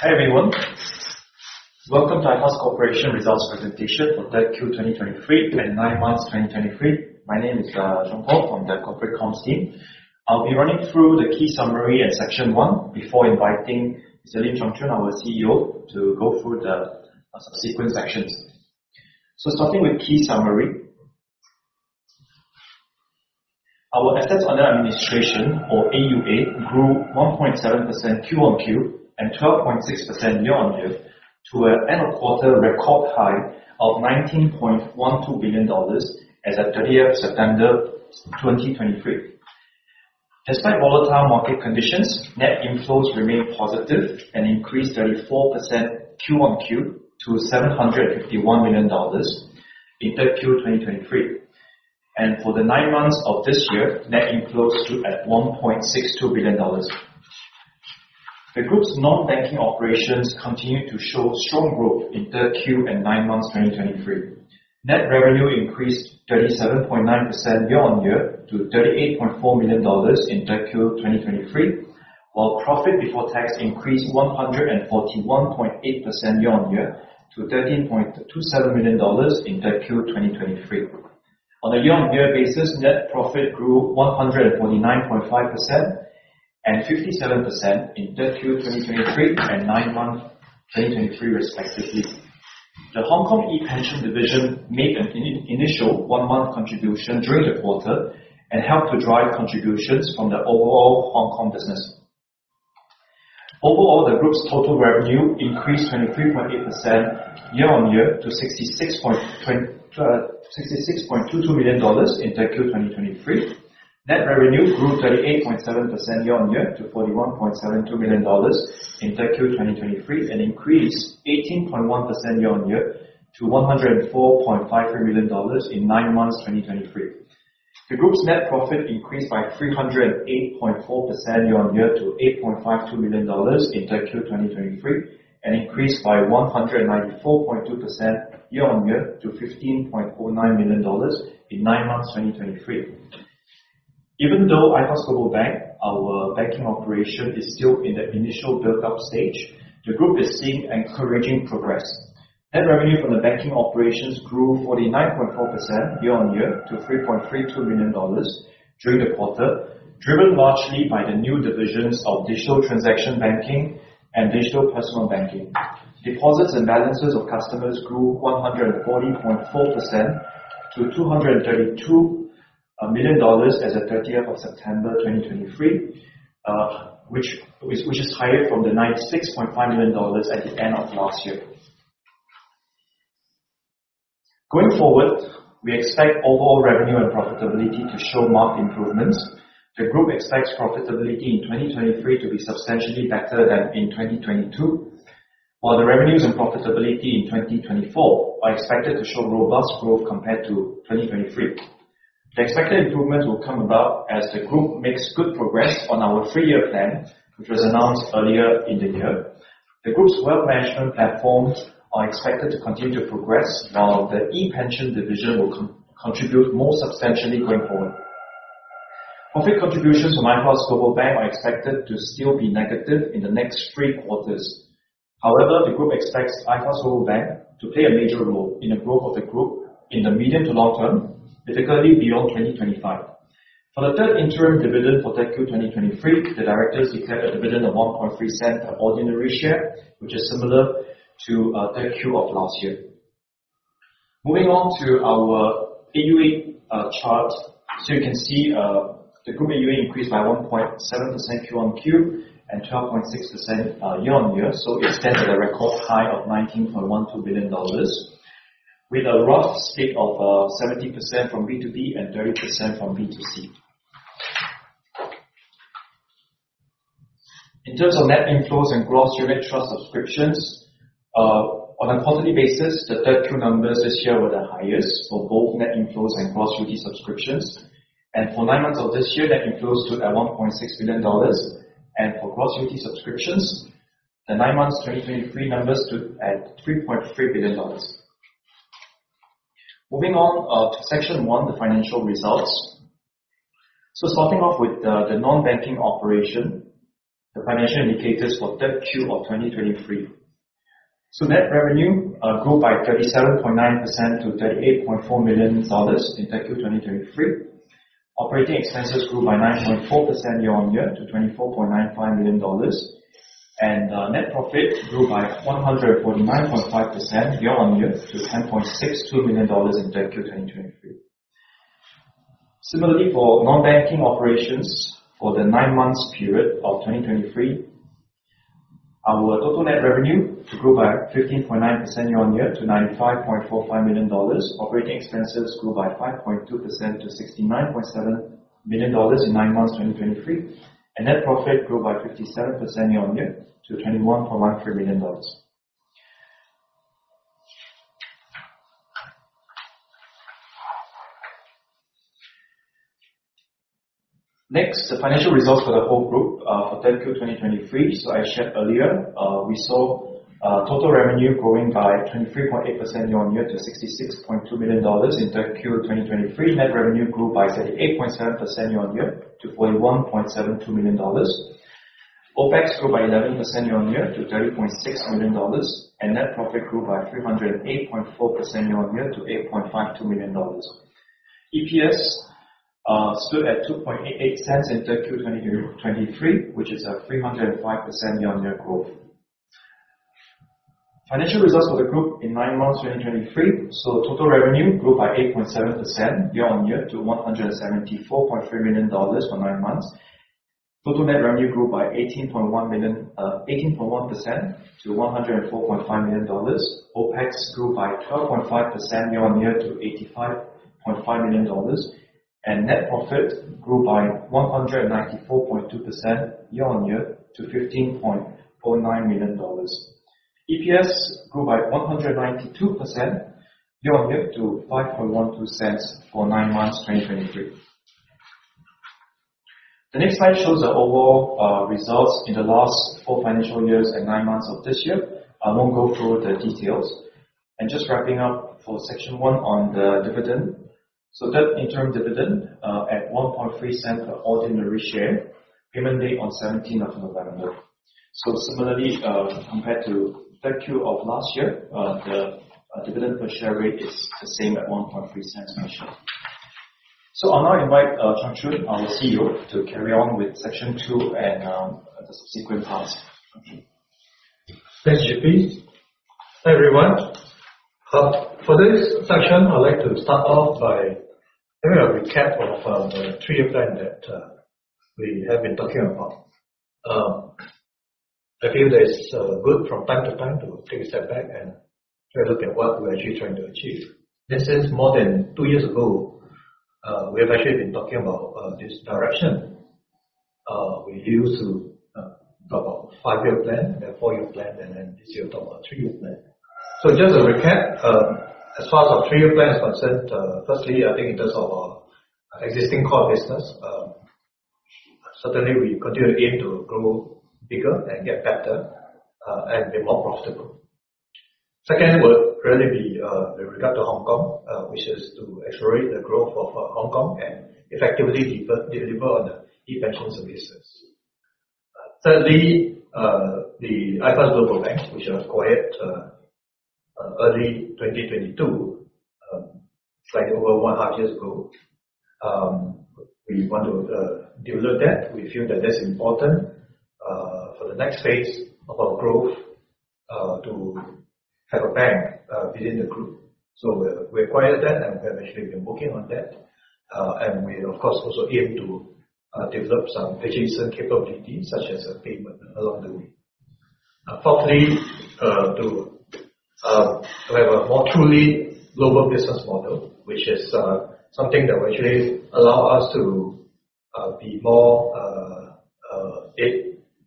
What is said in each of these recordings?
Hi, everyone. Welcome to iFAST Corporation Results Presentation for Q3 2023, and nine months 2023. My name is Jean Paul from the Corporate Comms team. I'll be running through the key summary in section one, before inviting Mr. Lim Chung Chun, our CEO, to go through the subsequent sections. Starting with key summary. Our assets under administration, or AUA, grew 1.7% Q-on-Q, and 12.6% year-on-year, to an end-of-quarter record high of $19.12 billion as at 30 September 2023. Despite volatile market conditions, net inflows remained positive and increased 34% Q-on-Q to $751 million in Q3 2023. For the nine months of this year, net inflows stood at $1.62 billion. The group's non-banking operations continued to show strong growth in 3Q and nine months, 2023. Net revenue increased 37.9% year-on-year to 38.4 million dollars in 3Q, 2023, while profit before tax increased 141.8% year-on-year to SGD 13.27 million in 3Q, 2023. On a year-on-year basis, net profit grew 149.5% and 57% in 3Q, 2023, and nine months, 2023, respectively. The Hong Kong ePension division made an initial one-month contribution during the quarter, and helped to drive contributions from the overall Hong Kong business. Overall, the group's total revenue increased 23.8% year-on-year to 66.22 million dollars in 3Q, 2023. Net revenue grew 38.7% year-on-year to $41.72 million in 3Q, 2023, and increased 18.1% year-on-year to $104.53 million in nine months, 2023. The group's net profit increased by 308.4% year-on-year to $8.52 million in 3Q, 2023, and increased by 194.2% year-on-year to $15.09 million in nine months, 2023. Even though iFAST Global Bank, our banking operation, is still in the initial build-up stage, the group is seeing encouraging progress. Net revenue from the banking operations grew 49.4% year-on-year to $3.32 million during the quarter, driven largely by the new divisions of Digital Transaction Banking and Digital Personal Banking. Deposits and balances of customers grew 140.4% to $232 million as of 30th of September, 2023, which is higher from the $96.5 million at the end of last year. Going forward, we expect overall revenue and profitability to show marked improvements. The group expects profitability in 2023 to be substantially better than in 2022, while the revenues and profitability in 2024 are expected to show robust growth compared to 2023. The expected improvement will come about as the group makes good progress on our three-year plan, which was announced earlier in the year. The group's wealth management platforms are expected to continue to progress, while the ePension division will contribute more substantially going forward. Profit contributions from iFAST Global Bank are expected to still be negative in the next three quarters. However, the group expects iFAST Global Bank to play a major role in the growth of the group in the medium to long-term, particularly beyond 2025. For the third interim dividend for 3Q, 2023, the directors declared a dividend of 0.013 ordinary share, which is similar to 3Q of last year. Moving on to our AUA chart. So you can see the group AUA increased by 1.7% Q-on-Q and 12.6% year-on-year. So it stands at a record high of $19.12 billion, with a rough split of 70% from B2B and 30% from B2C. In terms of net inflows and gross unit trust subscriptions, on a quarterly basis, the 3Q numbers this year were the highest for both net inflows and gross UT subscriptions. For nine months of this year, net inflows stood at 1.6 billion dollars, and for gross UT subscriptions, the nine months 2023 numbers stood at 3.3 billion dollars. Moving on to section one, the financial results. Starting off with the non-banking operation, the financial indicators for 3Q of 2023. Net revenue grew by 37.9% to 38.4 million dollars in 3Q 2023. Operating expenses grew by 9.4% year-on-year to 24.95 million dollars. Net profit grew by 149.5% year-on-year to 10.62 million dollars in 3Q 2023. Similarly, for non-banking operations for the nine months period of 2023, our total net revenue grew by 15.9% year-on-year to 95.45 million dollars. Operating expenses grew by 5.2% to 69.7 million dollars in nine months 2023, and net profit grew by 57% year-on-year to SGD 21.93 million. Next, the financial results for the whole group for 3Q 2023. So I shared earlier, we saw total revenue growing by 23.8% year-on-year to 66.2 million dollars in 3Q 2023. Net revenue grew by 38.7% year-on-year to 41.72 million dollars. OpEx grew by 11% year-on-year to $30.6 million, and net profit grew by 308.4% year-on-year to $8.52 million. EPS stood at $0.0288 in 3Q 2023, which is a 305% year-on-year growth. Financial results for the group in nine months 2023. So the total revenue grew by 8.7% year-on-year to $174.3 million for nine months. Total net revenue grew by 18.1 million, 18.1% to $104.5 million. OpEx grew by 12.5% year-on-year to $85.5 million, and net profit grew by 194.2% year-on-year to $15.49 million. EPS grew by 192% year-on-year to 0.0512 for nine months 2023. The next slide shows the overall, results in the last four financial years and nine months of this year. I won't go through the details. Just wrapping up for section one on the dividend. Third interim dividend, at 0.013 per ordinary share, payment date on 17th of November. Similarly, compared to 3Q of last year, the, dividend per share rate is the same at 0.013 per share. I'll now invite, Chung Chun, our CEO, to carry on with section two and, the subsequent parts. Thanks, JP. Hi, everyone. For this section, I'd like to start off by giving a recap of the three-year plan that we have been talking about. I feel that it's good from time to time to take a step back and take a look at what we're actually trying to achieve. This is more than two years ago, we have actually been talking about this direction. We used to talk about five-year plan, then four-year plan, and then this year, talk about three-year plan. So just to recap, as far as our three-year plan is concerned, firstly, I think in terms of our existing core business, certainly we continue to aim to grow bigger and get better, and be more profitable. Second, it would really be with regard to Hong Kong, which is to accelerate the growth of Hong Kong and effectively deliver on the ePension services. Thirdly, the iFAST Global Bank, which we acquired early 2022, slightly over 1.5 years ago. We want to develop that. We feel that that's important for the next phase of our growth to have a bank within the group. So we acquired that, and we have actually been working on that. And we of course also aim to develop some adjacent capabilities, such as payment along the way. Fourthly, to have a more truly global business model, which is something that will actually allow us to be more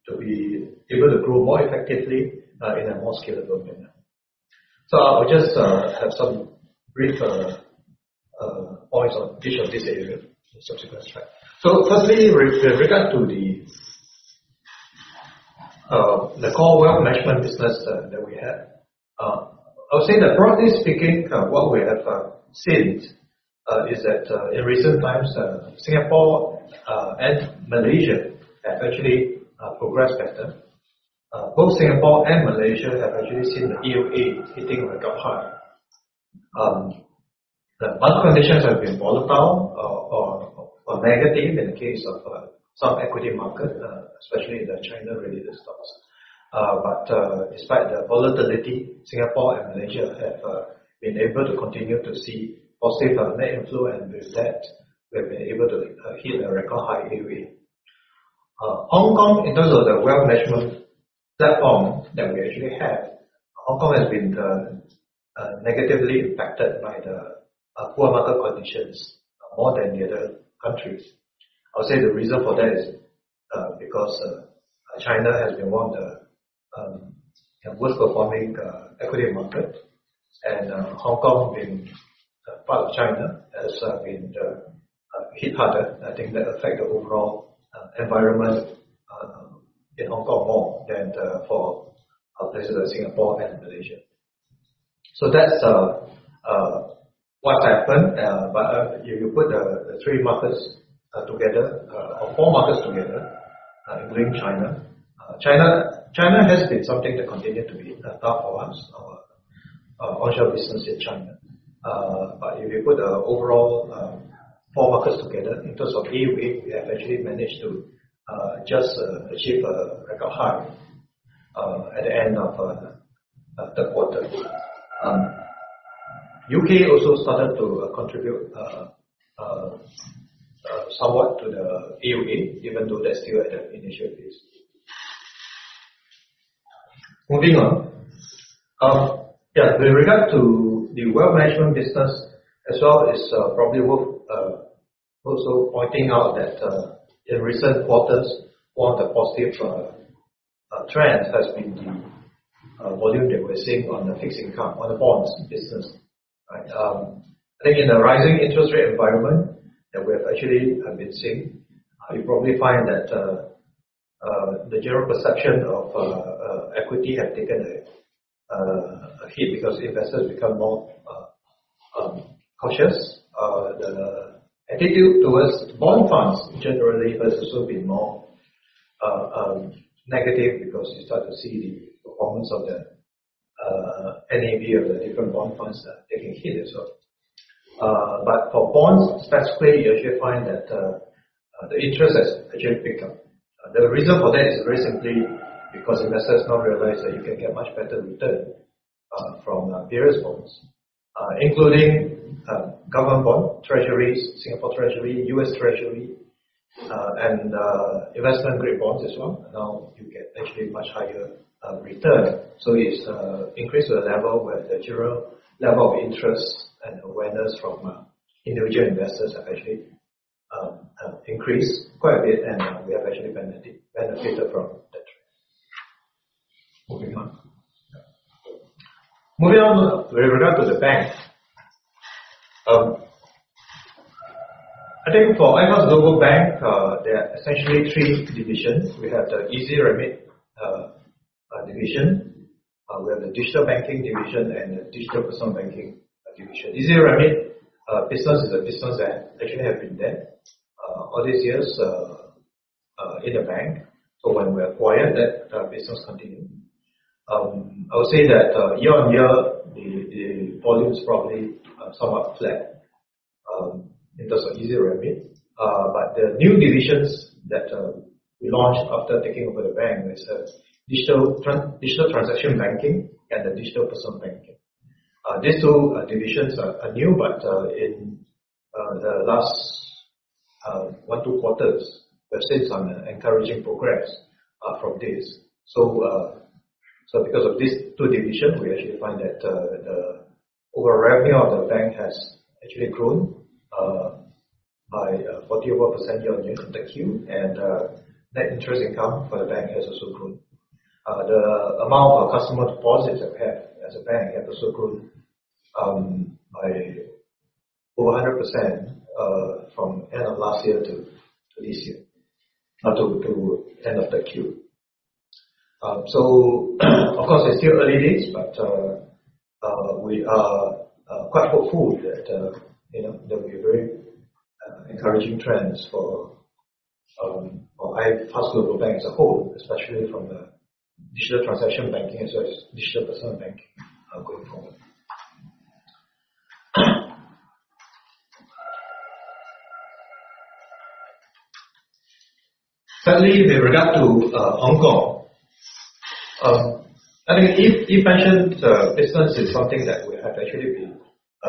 to be able to grow more effectively in a more scalable manner. So I'll just have some brief points on each of these areas in subsequent slides. So firstly, with regard to the core wealth management business that we have, I'll say that broadly speaking, what we have seen is that in recent times, Singapore and Malaysia have actually progressed better. Both Singapore and Malaysia have actually seen the AUM hitting a record high. The market conditions have been volatile or negative in the case of some equity market, especially the China-related stocks. But, despite the volatility, Singapore and Malaysia have been able to continue to see positive net inflow, and with that, we've been able to hit a record high AUM. Hong Kong, in terms of the wealth management platform that we actually have, Hong Kong has been negatively impacted by the poor market conditions more than the other countries. I would say the reason for that is because China has been one of the worst performing equity market, and Hong Kong being a part of China, has been hit harder. I think that affect the overall environment in Hong Kong more than for places like Singapore and Malaysia. So that's what happened. But you put the three markets together or four markets together, including China. China has been something that continued to be tough for us, offshore business in China. But if you put the overall four markets together, in terms of AUM, we have actually managed to just achieve a record high at the end of third quarter. U.K. also started to contribute somewhat to the AUM, even though that's still at the initial phase. Moving on. Yeah, with regard to the wealth management business as well, it's probably worth also pointing out that in recent quarters, one of the positive trends has been the volume that we're seeing on the fixed income, on the bonds business, right? I think in a rising interest rate environment that we have actually been seeing, you probably find that the general perception of equity have taken a hit because investors become more cautious. The attitude towards bond funds generally has also been more negative, because you start to see the performance of the NAV of the different bond funds are taking a hit as well. But for bonds specifically, you actually find that the interest has actually picked up. The reason for that is very simply because investors now realize that you can get much better return from various bonds, including government bond, treasuries, Singapore Treasury, U.S. Treasury, and investment grade bonds as well. Now, you get actually much higher return. So it's increased to the level where the general level of interest and awareness from individual investors have actually increased quite a bit, and we have actually benefited from that. Moving on. Moving on, with regard to the bank, I think for iFAST Global Bank, there are essentially three divisions. We have the EzRemit division, we have the Digital Banking division, and the Digital Personal Banking division. EzRemit business is a business that actually have been there all these years in the bank. So when we acquired that, business continued. I would say that year-on-year, the volume is probably somewhat flat in terms of EzRemit. But the new divisions that we launched after taking over the bank is Digital Transaction Banking and the Digital Personal Banking. These two divisions are new, but in the last one, two quarters, we've seen some encouraging progress from this. So, because of these two divisions, we actually find that the overall revenue of the bank has actually grown by 41% year-on-year on the 3Q. And net interest income for the bank has also grown. The amount of customer deposits we have as a bank have also grown by over 100% from end of last year to this year to end of the 3Q. So of course, it's still early days, but we are quite hopeful that, you know, there'll be very encouraging trends for iFAST Global Bank as a whole, especially from the Digital Transaction Banking as well as Digital Personal Banking going forward. Thirdly, with regard to Hong Kong, I think ePension business is something that we have actually been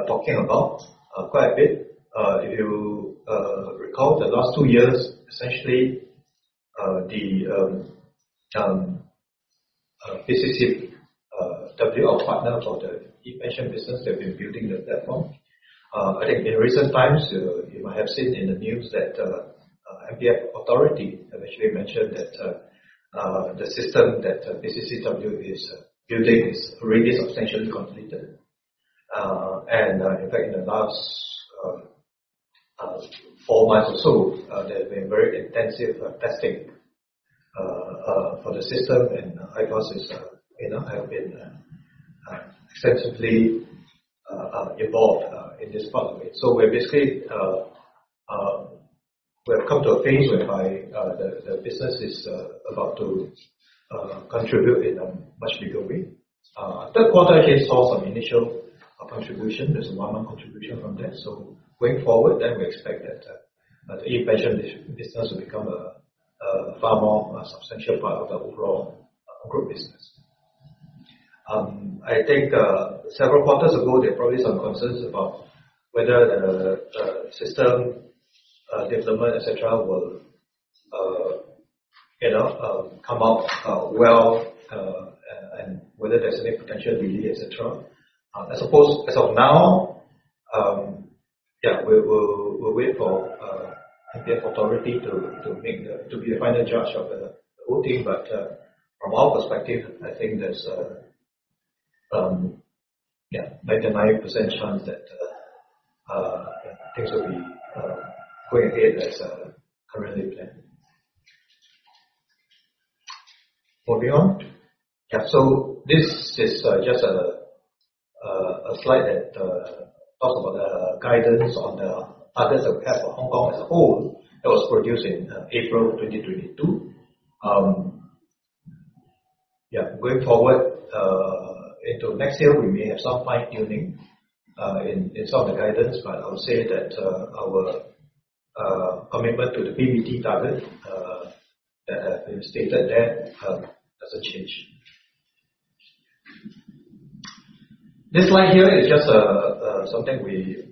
talking about quite a bit. If you recall the last two years, essentially, the PCCW, our partner for the ePension business, they've been building the platform. I think in recent times, you might have seen in the news that MPF Authority have actually mentioned that the system that PCCW is building is already substantially completed. And, in fact, in the last four months or so, they've been very intensive testing for the system, and iFAST is, you know, have been extensively involved in this part of it. So we're basically, we have come to a phase whereby the business is about to contribute in a much bigger way. 3Q, we saw some initial contribution. There's a one-month contribution from that, so going forward, then we expect that the ePension business will become a far more substantial part of the overall group business. I think several quarters ago, there were probably some concerns about whether the system development, et cetera, will, you know, come out well, and whether there's any potential delay, et cetera. I suppose as of now, yeah, we'll wait for MPF Authority to be the final judge of the whole thing. But from our perspective, I think there's a yeah, 99% chance that things will be going ahead as currently planned. Moving on. Yeah, so this is just a slide that talks about the guidance on the targets that we have for Hong Kong as a whole. That was produced in April 2022. Yeah, going forward into next year, we may have some fine-tuning in some of the guidance, but I would say that our commitment to the PBT target that has been stated there doesn't change. This slide here is just something we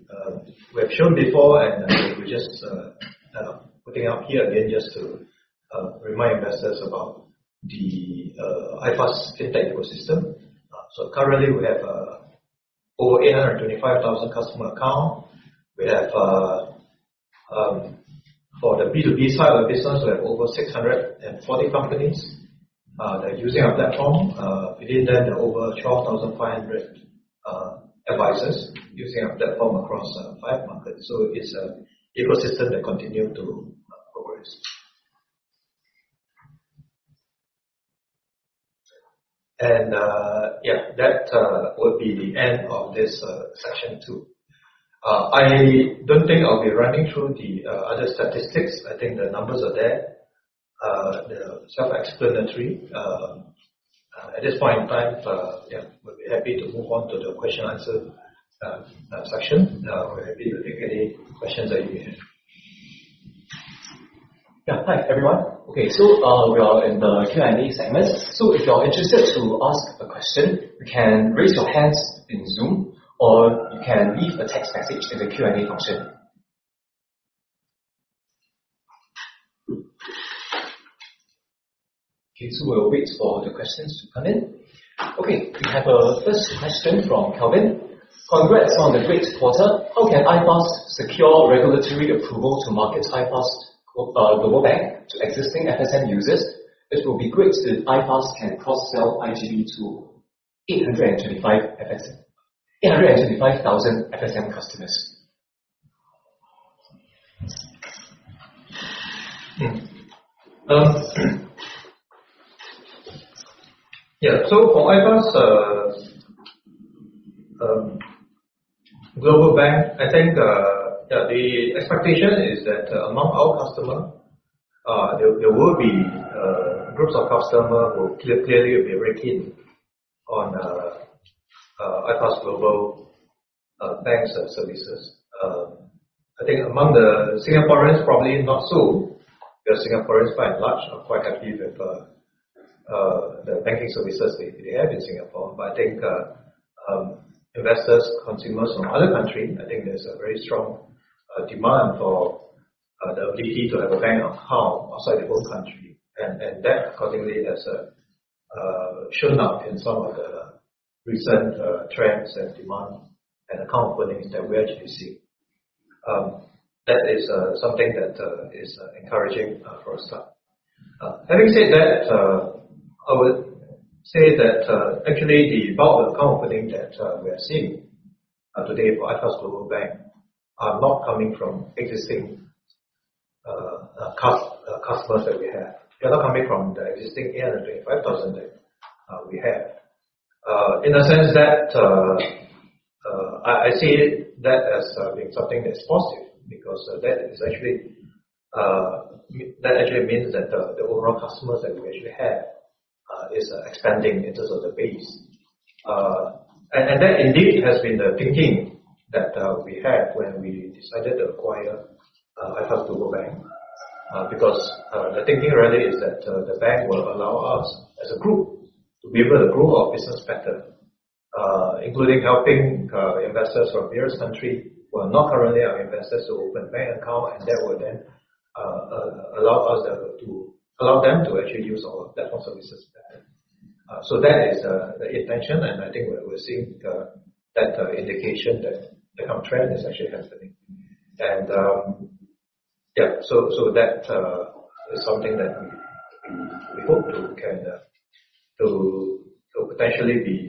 have shown before, and we're just putting out here again just to remind investors about the iFAST Fintech ecosystem. So currently, we have over 825,000 customer account. We have, for the B2B side of the business, we have over 640 companies that are using our platform. Within them, there are over 12,500 advisors using our platform across five markets. So it's an ecosystem Yeah, that would be the end of this section two. I don't think I'll be running through the other statistics. I think the numbers are there. They're self-explanatory. At this point in time, yeah, we'll be happy to move on to the question-and-answer section. Now, we're happy to take any questions that you may have. Yeah. Hi, everyone. Okay, so, we are in the Q&A segment, so if you are interested to ask a question, you can raise your hands in Zoom, or you can leave a text message in the Q&A function. Okay, so we'll wait for the questions to come in. Okay, we have a first question from Kelvin: "Congrats on the great quarter! How can iFAST secure regulatory approval to market iFAST Global Bank to existing FSM users? It will be great if iFAST can cross-sell IGB to 825,000 FSM customers. Yeah, so for iFAST Global Bank, I think, yeah, the expectation is that among our customer, there will be groups of customer who clearly will be very keen on iFAST Global Bank's and services. I think among the Singaporeans, probably not so, the Singaporeans, by and large, are quite happy with the banking services they have in Singapore. But I think, investors, consumers from other country, I think there's a very strong demand for the ability to have a bank account outside their home country. And that accordingly has shown up in some of the recent trends and demand and account openings that we actually see. That is something that is encouraging for a start. Having said that, I would say that, actually the bulk of account opening that we have seen today for iFAST Global Bank are not coming from existing customers that we have. They're not coming from the existing 825,000 that we have. In a sense that, I see that as being something that's positive, because that is actually, that actually means that the overall customers that we actually have is expanding in terms of the base. And that indeed has been the thinking that we had when we decided to acquire iFAST Global Bank. Because, the thinking really is that, the bank will allow us, as a group, to be able to grow our business better, including helping, investors from various country who are not currently our investors, to open bank accounts. And that will then, allow us to, allow them to actually use our platform services better. So that is, the intention, and I think we're seeing, that, indication that the account trend is actually happening. And, so, so that, is something that we, we hope to can, to, to potentially be,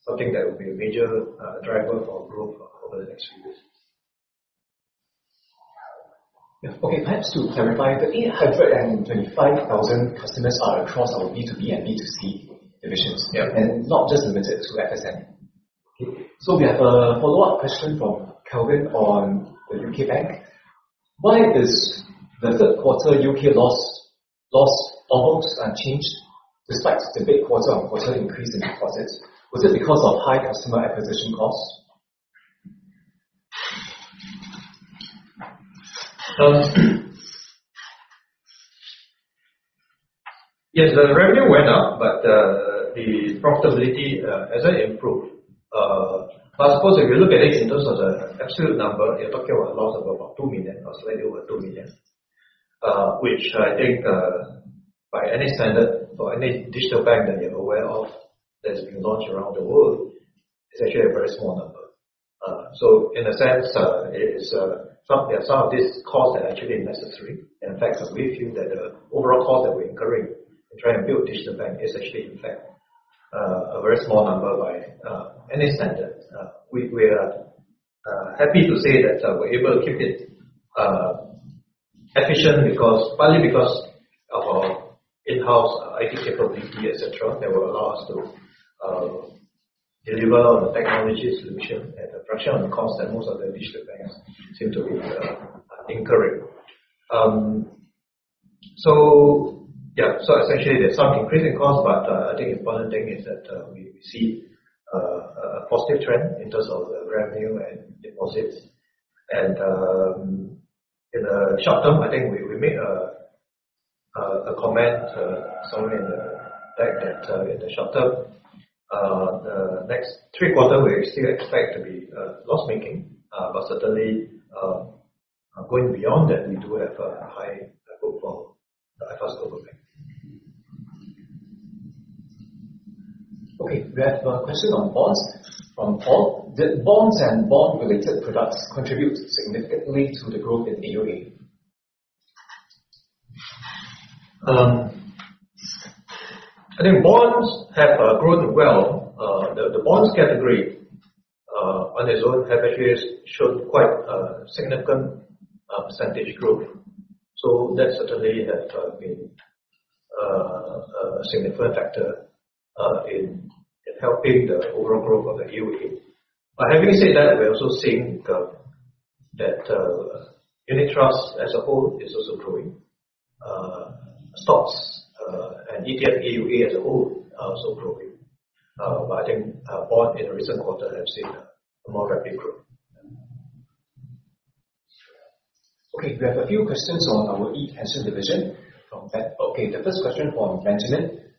something that will be a major, driver for growth over the next few years. Yeah. Okay, perhaps to clarify, the 825,000 customers are across our B2B and B2C divisions- Yeah. And not just limited to FSM. Okay, so we have a follow-up question from Kelvin on the U.K. bank. Why is the third quarter U.K. loss, loss almost unchanged, despite the big quarter-on-quarter increase in deposits? Was it because of high customer acquisition costs? Yes, the revenue went up, but the profitability hasn't improved. But I suppose if you look at it in terms of the absolute number, you're talking about a loss of about 2 million, or slightly over 2 million, which I think, by any standard for any digital bank that you're aware of, that's been launched around the world, it's actually a very small number. So in a sense, it's some, yeah, some of these costs are actually necessary. And in fact, we feel that the overall cost that we're incurring to try and build a digital bank is actually, in fact, a very small number by any standard. We are happy to say that we're able to keep it efficient because, partly because of our in-house IT capability, et cetera, that will allow us to deliver on the technology solution at a fraction of the cost that most of the digital banks seem to be incurring. So yeah, so essentially, there's some increase in cost, but I think the important thing is that we see a positive trend in terms of the revenue and deposits. In the short-term, I think we made a comment somewhere in the fact that, in the short-term, the next three quarters, we still expect to be loss-making. But certainly, going beyond that, we do have a high hope for the iFAST Global Bank. Okay, we have a question on bonds from Paul. Did bonds and bond-related products contribute significantly to the growth in AUA? I think bonds have grown well. The bonds category on its own have actually shown quite a significant percentage growth. So that certainly has been a significant factor in helping the overall growth of the AUA. But having said that, we're also seeing that unit trust as a whole is also growing. Stocks and ETF AUA as a whole are also growing. But I think bond in the recent quarter have seen a more rapid growth. Okay, we have a few questions on our ePension division. Okay, the first question from Benjamin: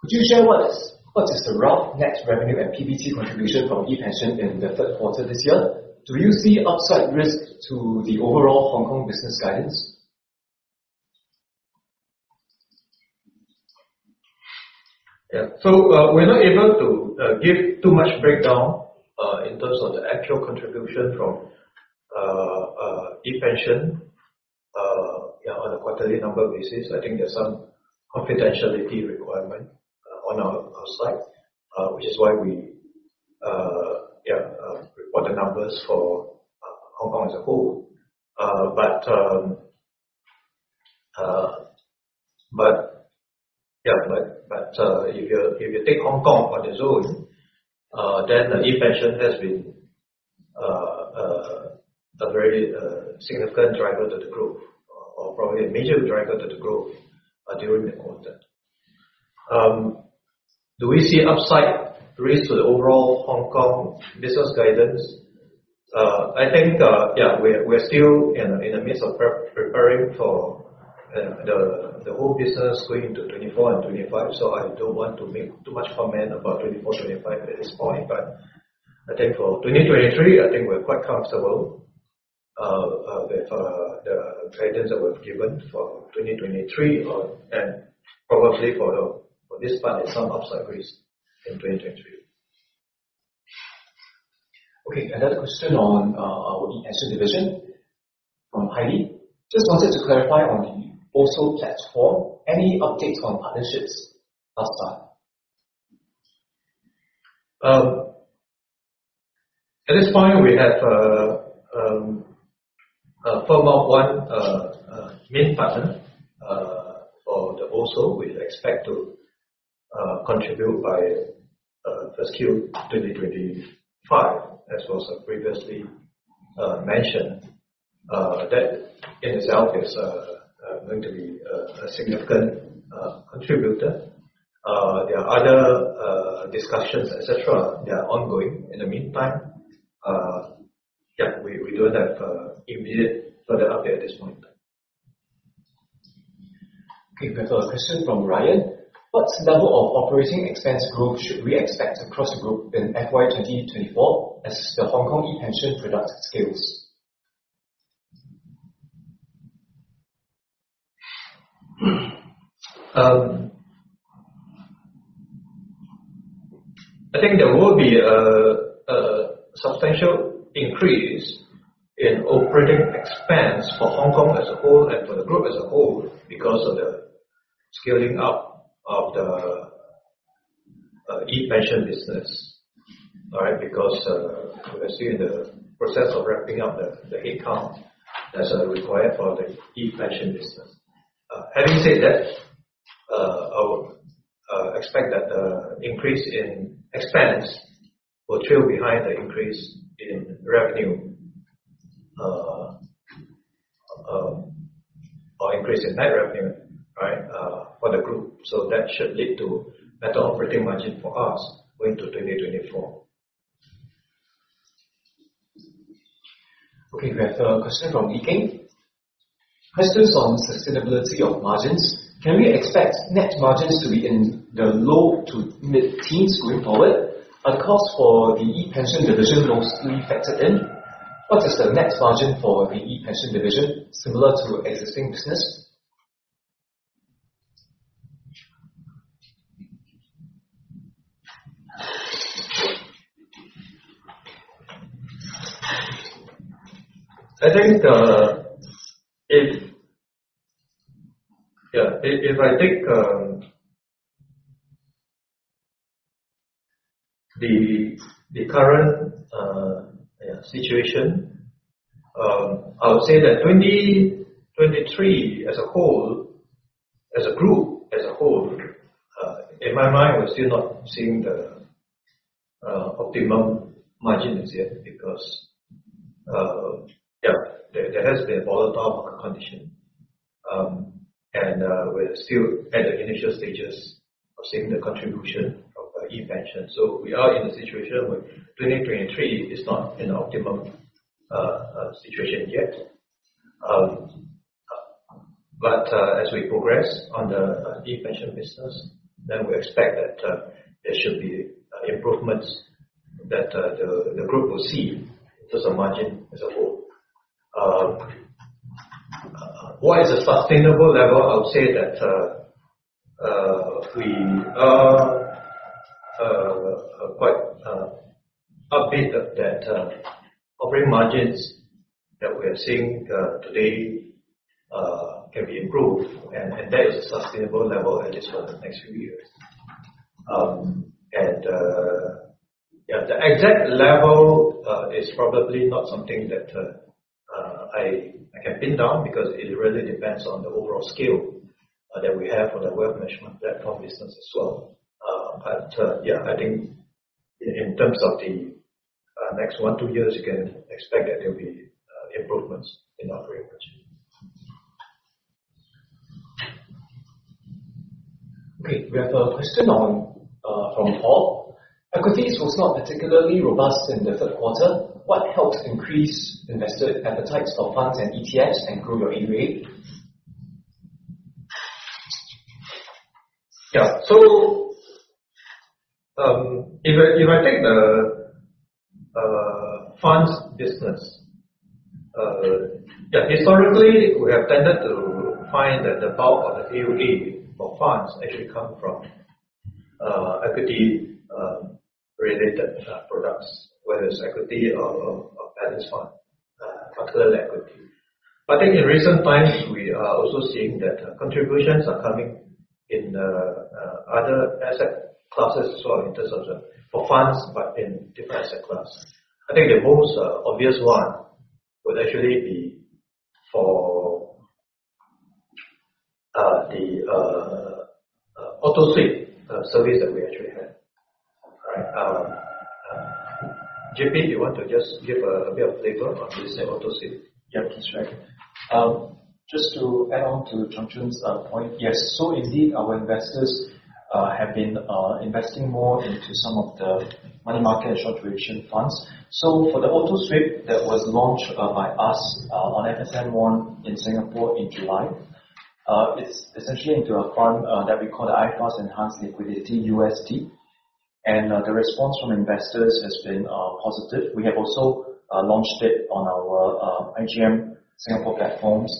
Could you share what is the rough net revenue and PBT contribution from ePension in the third quarter this year? Do you see upside risk to the overall Hong Kong business guidance? Yeah. So, we're not able to give too much breakdown in terms of the actual contribution from ePension on a quarterly number basis. I think there's some confidentiality requirement on our side, which is why we report the numbers for Hong Kong as a whole. But, if you take Hong Kong on its own, then the ePension has been a very significant driver to the growth, or probably a major driver to the growth during the quarter. Do we see upside risk to the overall Hong Kong business guidance? I think, yeah, we're still in the midst of preparing for the whole business going to 2024 and 2025, so I don't want to make too much comment about 2024, 2025 at this point. But I think for 2023, I think we're quite comfortable with the guidance that was given for 2023, and probably for this part, there's some upside risk in 2023. Okay, another question on our ePension division from Heidi. Just wanted to clarify on the ORSO platform, any updates on partnerships thus far? At this point, we have firmed up one main partner for the ORSO. We expect to contribute by first Q2025, as was previously mentioned. That in itself is going to be a significant contributor. There are other discussions, et cetera, that are ongoing. In the meantime, yeah, we don't have immediate further update at this point. Okay, we have a question from Ryan: What level of operating expense growth should we expect across the group in FY 2024 as the Hong Kong ePension product scales? I think there will be a substantial increase in operating expense for Hong Kong as a whole and for the group as a whole, because of the scaling up of the ePension business. All right? Because we are still in the process of ramping up the headcount that's required for the ePension business. Having said that, I would expect that the increase in expense will trail behind the increase in revenue, or increase in net revenue, right, for the group. So that should lead to better operating margin for us going to 2024. Okay, we have a question from [Eking]. Questions on sustainability of margins. Can we expect net margins to be in the low to mid-teens going forward? Are costs for the ePension division mostly factored in? What is the net margin for the ePension division, similar to existing business? I think, if I take the current situation, I would say that 2023 as a whole, as a group, as a whole, in my mind, we're still not seeing the optimum margins yet, because there has been volatile market condition. And we're still at the initial stages of seeing the contribution of the ePension. So we are in a situation where 2023 is not an optimum situation yet. But as we progress on the ePension business, then we expect that there should be improvements that the group will see to the margin as a whole. What is a sustainable level? I would say that we are quite upbeat that operating margins-... that we are seeing today can be improved, and that is a sustainable level, at least for the next few years. And yeah, the exact level is probably not something that I can pin down, because it really depends on the overall scale that we have for the wealth management platform business as well. But yeah, I think in terms of the next one, two years, you can expect that there'll be improvements in operating margin. Okay, we have a question from Paul: Equities was not particularly robust in the third quarter. What helped increase investor appetites for funds and ETFs and grow your AUM? Yeah. So, if I take the funds business, yeah, historically, we have tended to find that the bulk of the AUM for funds actually come from equity-related products, whether it's equity or a balanced fund, but still equity. I think in recent times, we are also seeing that contributions are coming in other asset classes as well, in terms of funds, but in different asset class. I think the most obvious one would actually be for the Auto-Sweep service that we actually have, right? JP, you want to just give a bit of flavor on this Auto-Sweep? Yeah, that's right. Just to add on to Chung Chun's point, yes, so indeed, our investors have been investing more into some of the money market and short-duration funds. So for the Auto-Sweep that was launched by us on FSMOne in Singapore in July, it's essentially into a fund that we call the iFAST Enhanced Liquidity USD. And the response from investors has been positive. We have also launched it on our iGM Singapore platforms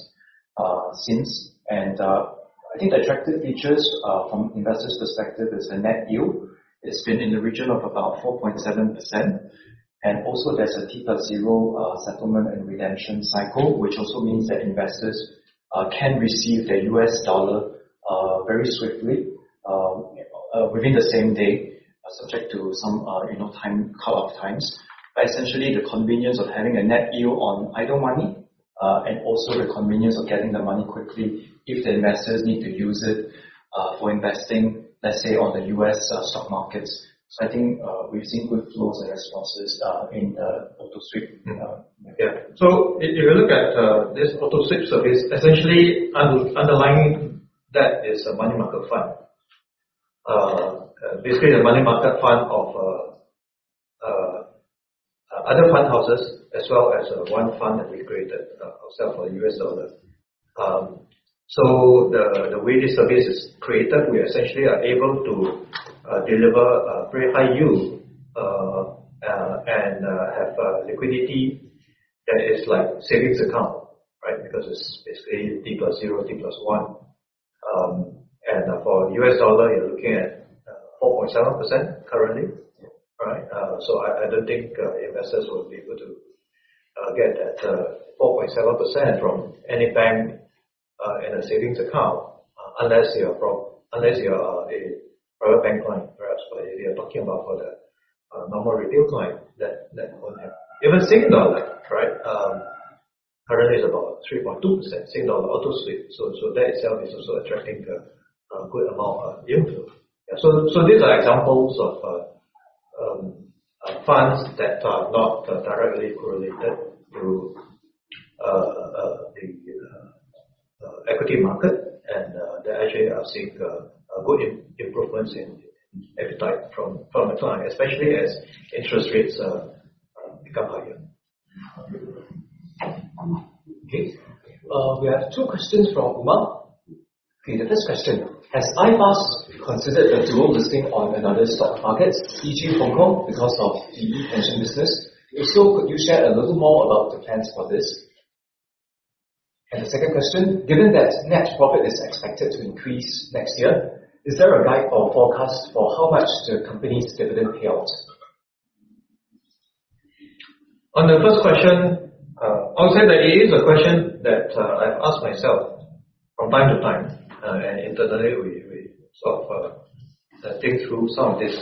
since. And I think the attractive features from investors' perspective is the net yield. It's been in the region of about 4.7%, and also there's a T+0 settlement and redemption cycle, which also means that investors can receive their U.S. dollar very swiftly within the same day, subject to some you know time cut-off times. But essentially, the convenience of having a net yield on idle money and also the convenience of getting the money quickly if the investors need to use it for investing, let's say, on the U.S. stock markets. So I think we've seen good flows and responses in the Auto-Sweep. Yeah. So if you look at this Auto-Sweep service, essentially, underlying that is a money market fund. Basically, the money market fund of other fund houses, as well as one fund that we created ourselves for the U.S. dollar. So the way this service is created, we essentially are able to deliver a very high yield and have liquidity that is like savings account, right? Because it's basically T+0, T+1. And for U.S. dollar, you're looking at 4.7% currently. Right? So I don't think investors will be able to get that 4.7% from any bank in a savings account unless you are from-- unless you are a private bank client, perhaps. But if you're talking about for the normal retail client, that won't help. Even Singapore, like, right, currently is about 3.2% Singapore Auto-Sweep, so that itself is also attracting a good amount of yield. Yeah, so these are examples of funds that are not directly correlated to the equity market, and they actually are seeing a good improvements in appetite from the client, especially as interest rates become higher. Okay. We have two questions from Uma. Okay, the first question: Has iFAST considered a dual listing on another stock market, the Hong Kong, because of the pension business? If so, could you share a little more about the plans for this? And the second question: Given that net profit is expected to increase next year, is there a guide or forecast for how much the company's dividend payout? On the first question, I would say that it is a question that I've asked myself from time to time. And internally, we sort of think through some of these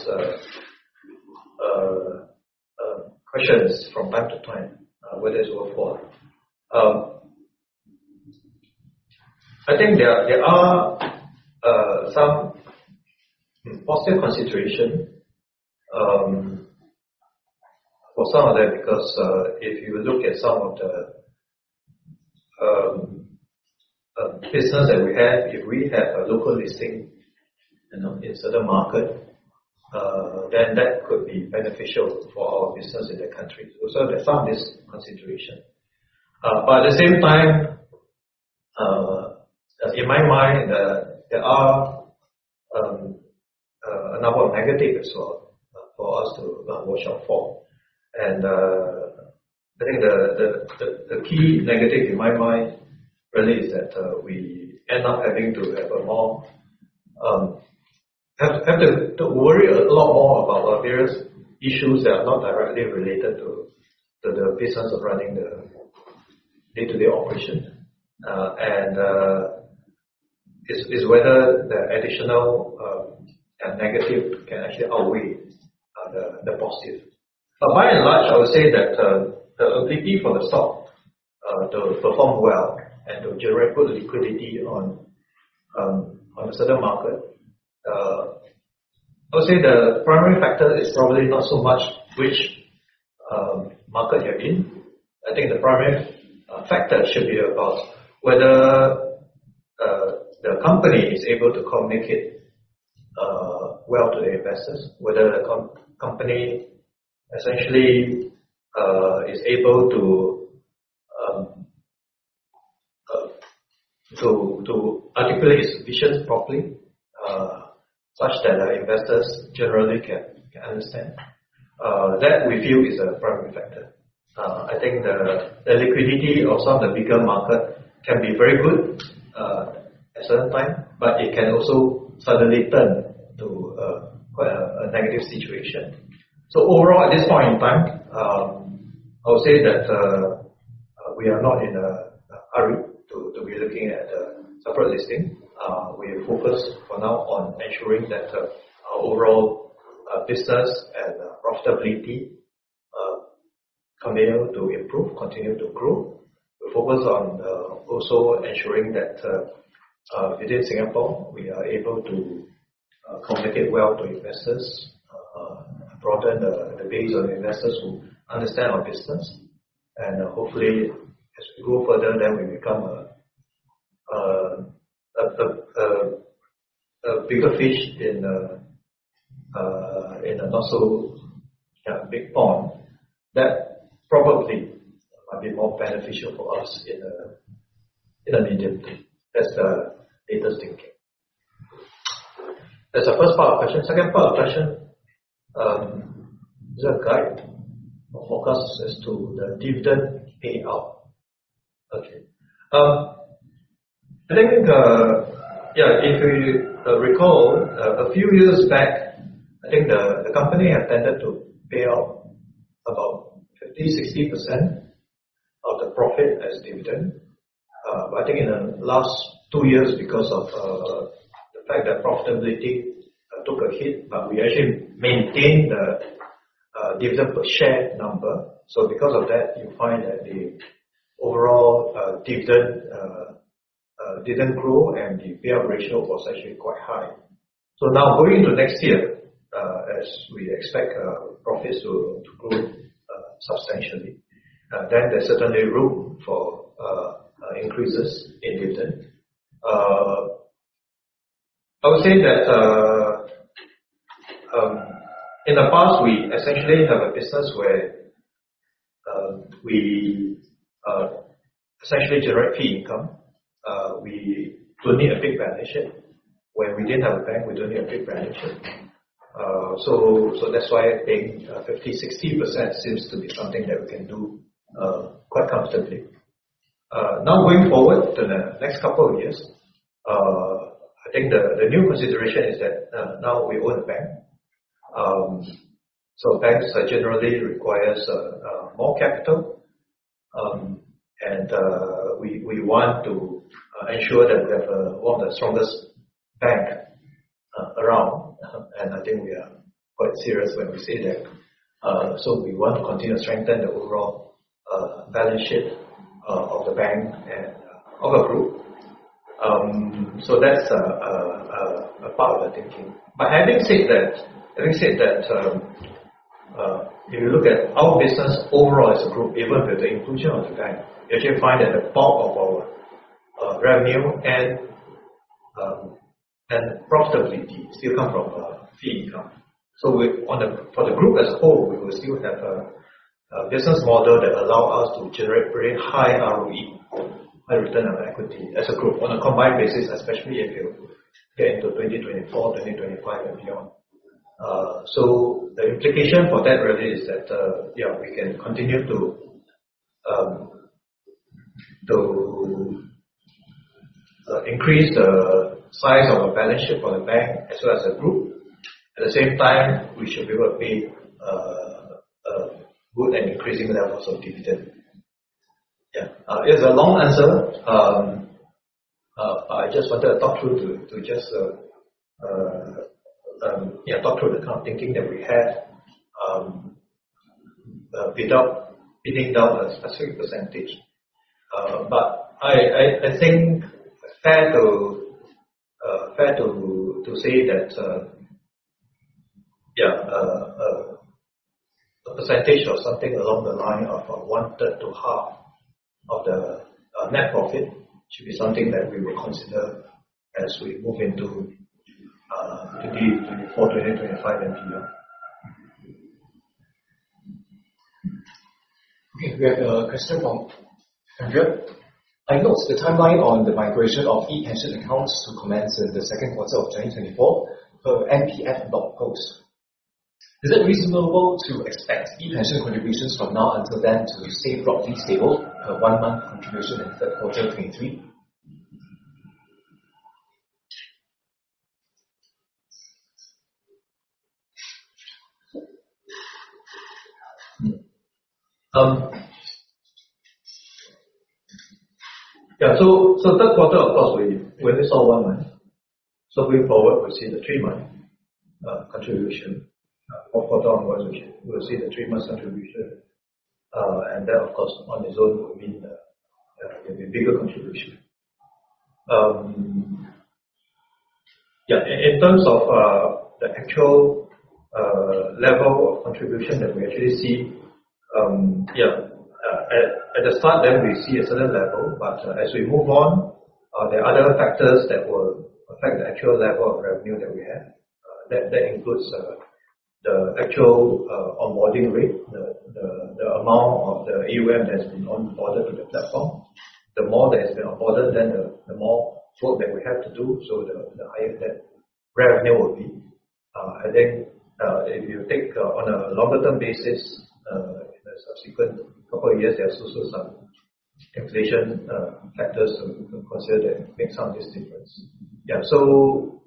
questions from time to time, whether it's worthwhile. I think there are some positive consideration for some of that, because if you look at some of the business that we have, if we have a local listing, you know, in certain market, then that could be beneficial for our business in the country. So there's some this consideration. But at the same time, in my mind, there are a number of negative as well for us to watch out for. I think the key negative in my mind, really, is that we end up having to have a more... have to worry a lot more about various issues that are not directly related to the business of running the day-to-day operation. And it's whether the additional negative can actually outweigh the positive. But by and large, I would say that the ability for the stock to perform well and to generate good liquidity on a certain market, I would say the primary factor is probably not so much which market you're in. I think the primary factor should be about whether the company is able to communicate well to the investors. Whether the company essentially is able to articulate its vision properly, such that the investors generally can understand. That we feel is a primary factor. I think the liquidity of some of the bigger markets can be very good at certain times, but it can also suddenly turn to quite a negative situation. So overall, at this point in time, I would say that we are not in a hurry to be looking at a separate listing. We focus for now on ensuring that our overall business and profitability continue to improve, continue to grow. We focus on also ensuring that within Singapore, we are able to communicate well to investors, broaden the base of investors who understand our business. Hopefully, as we go further, then we become a bigger fish in a not so big pond. That probably might be more beneficial for us in the medium term. That's the latest thinking. That's the first part of the question. Second part of the question, is there a guide or forecast as to the dividend payout? Okay. I think, yeah, if you recall, a few years back, I think the company had tended to pay out about 50%-60% of the profit as dividend. But I think in the last two years, because of the fact that profitability took a hit, but we actually maintained the dividend per share number. So because of that, you find that the overall dividend didn't grow, and the payout ratio was actually quite high. So now, going into next year, as we expect profits to grow substantially, then there's certainly room for increases in dividend. I would say that in the past, we essentially have a business where we essentially generate fee income. We don't need a big balance sheet. When we didn't have a bank, we don't need a big balance sheet. So that's why I think 50%-60% seems to be something that we can do quite comfortably. Now, going forward to the next couple of years, I think the new consideration is that now we own a bank. So banks are generally requires more capital. We want to ensure that we have one of the strongest bank around. I think we are quite serious when we say that. We want to continue to strengthen the overall balance sheet of the bank and of the group. That's a part of the thinking. But having said that, having said that, if you look at our business overall as a group, even with the inclusion of the bank, you actually find that the bulk of our revenue and profitability still come from fee income. So on the, for the group as a whole, we will still have a business model that allow us to generate very high ROE, return on equity as a group on a combined basis, especially if you get into 2024, 2025, and beyond. So the implication for that really is that, yeah, we can continue to increase the size of the balance sheet for the bank as well as the group. At the same time, we should be able to pay a good and increasing levels of dividend. Yeah. It's a long answer. I just wanted to talk through to just, yeah, talk through the kind of thinking that we have without pinning down a specific percentage. But I think fair to say that, yeah, a percentage or something along the line of one third to half of the net profit should be something that we will consider as we move into 2024, 2025, and beyond. Okay, we have a question from Andrea. I noticed the timeline on the migration of ePension accounts to commence in the second quarter of 2024 per MPF blog post. Is it reasonable to expect ePension contributions from now until then to stay broadly stable per one month contribution in the third quarter of 2023? Yeah, so third quarter, of course, we only saw one month. So going forward, we'll see the three-month contribution for quarter-on-quarter. We will see the three months contribution. And then, of course, on its own will mean that there will be a bigger contribution. Yeah, in terms of the actual level of contribution that we actually see, yeah, at the start, then we see a certain level. But as we move on, there are other factors that will affect the actual level of revenue that we have. That includes the actual onboarding rate, the amount of the AUM that's been onboarded to the platform. The more that's been onboarded, then the more work that we have to do, so the higher that revenue will be. I think if you take on a longer term basis in the subsequent couple of years there are also some inflation factors to consider that make some of this difference. Yeah. So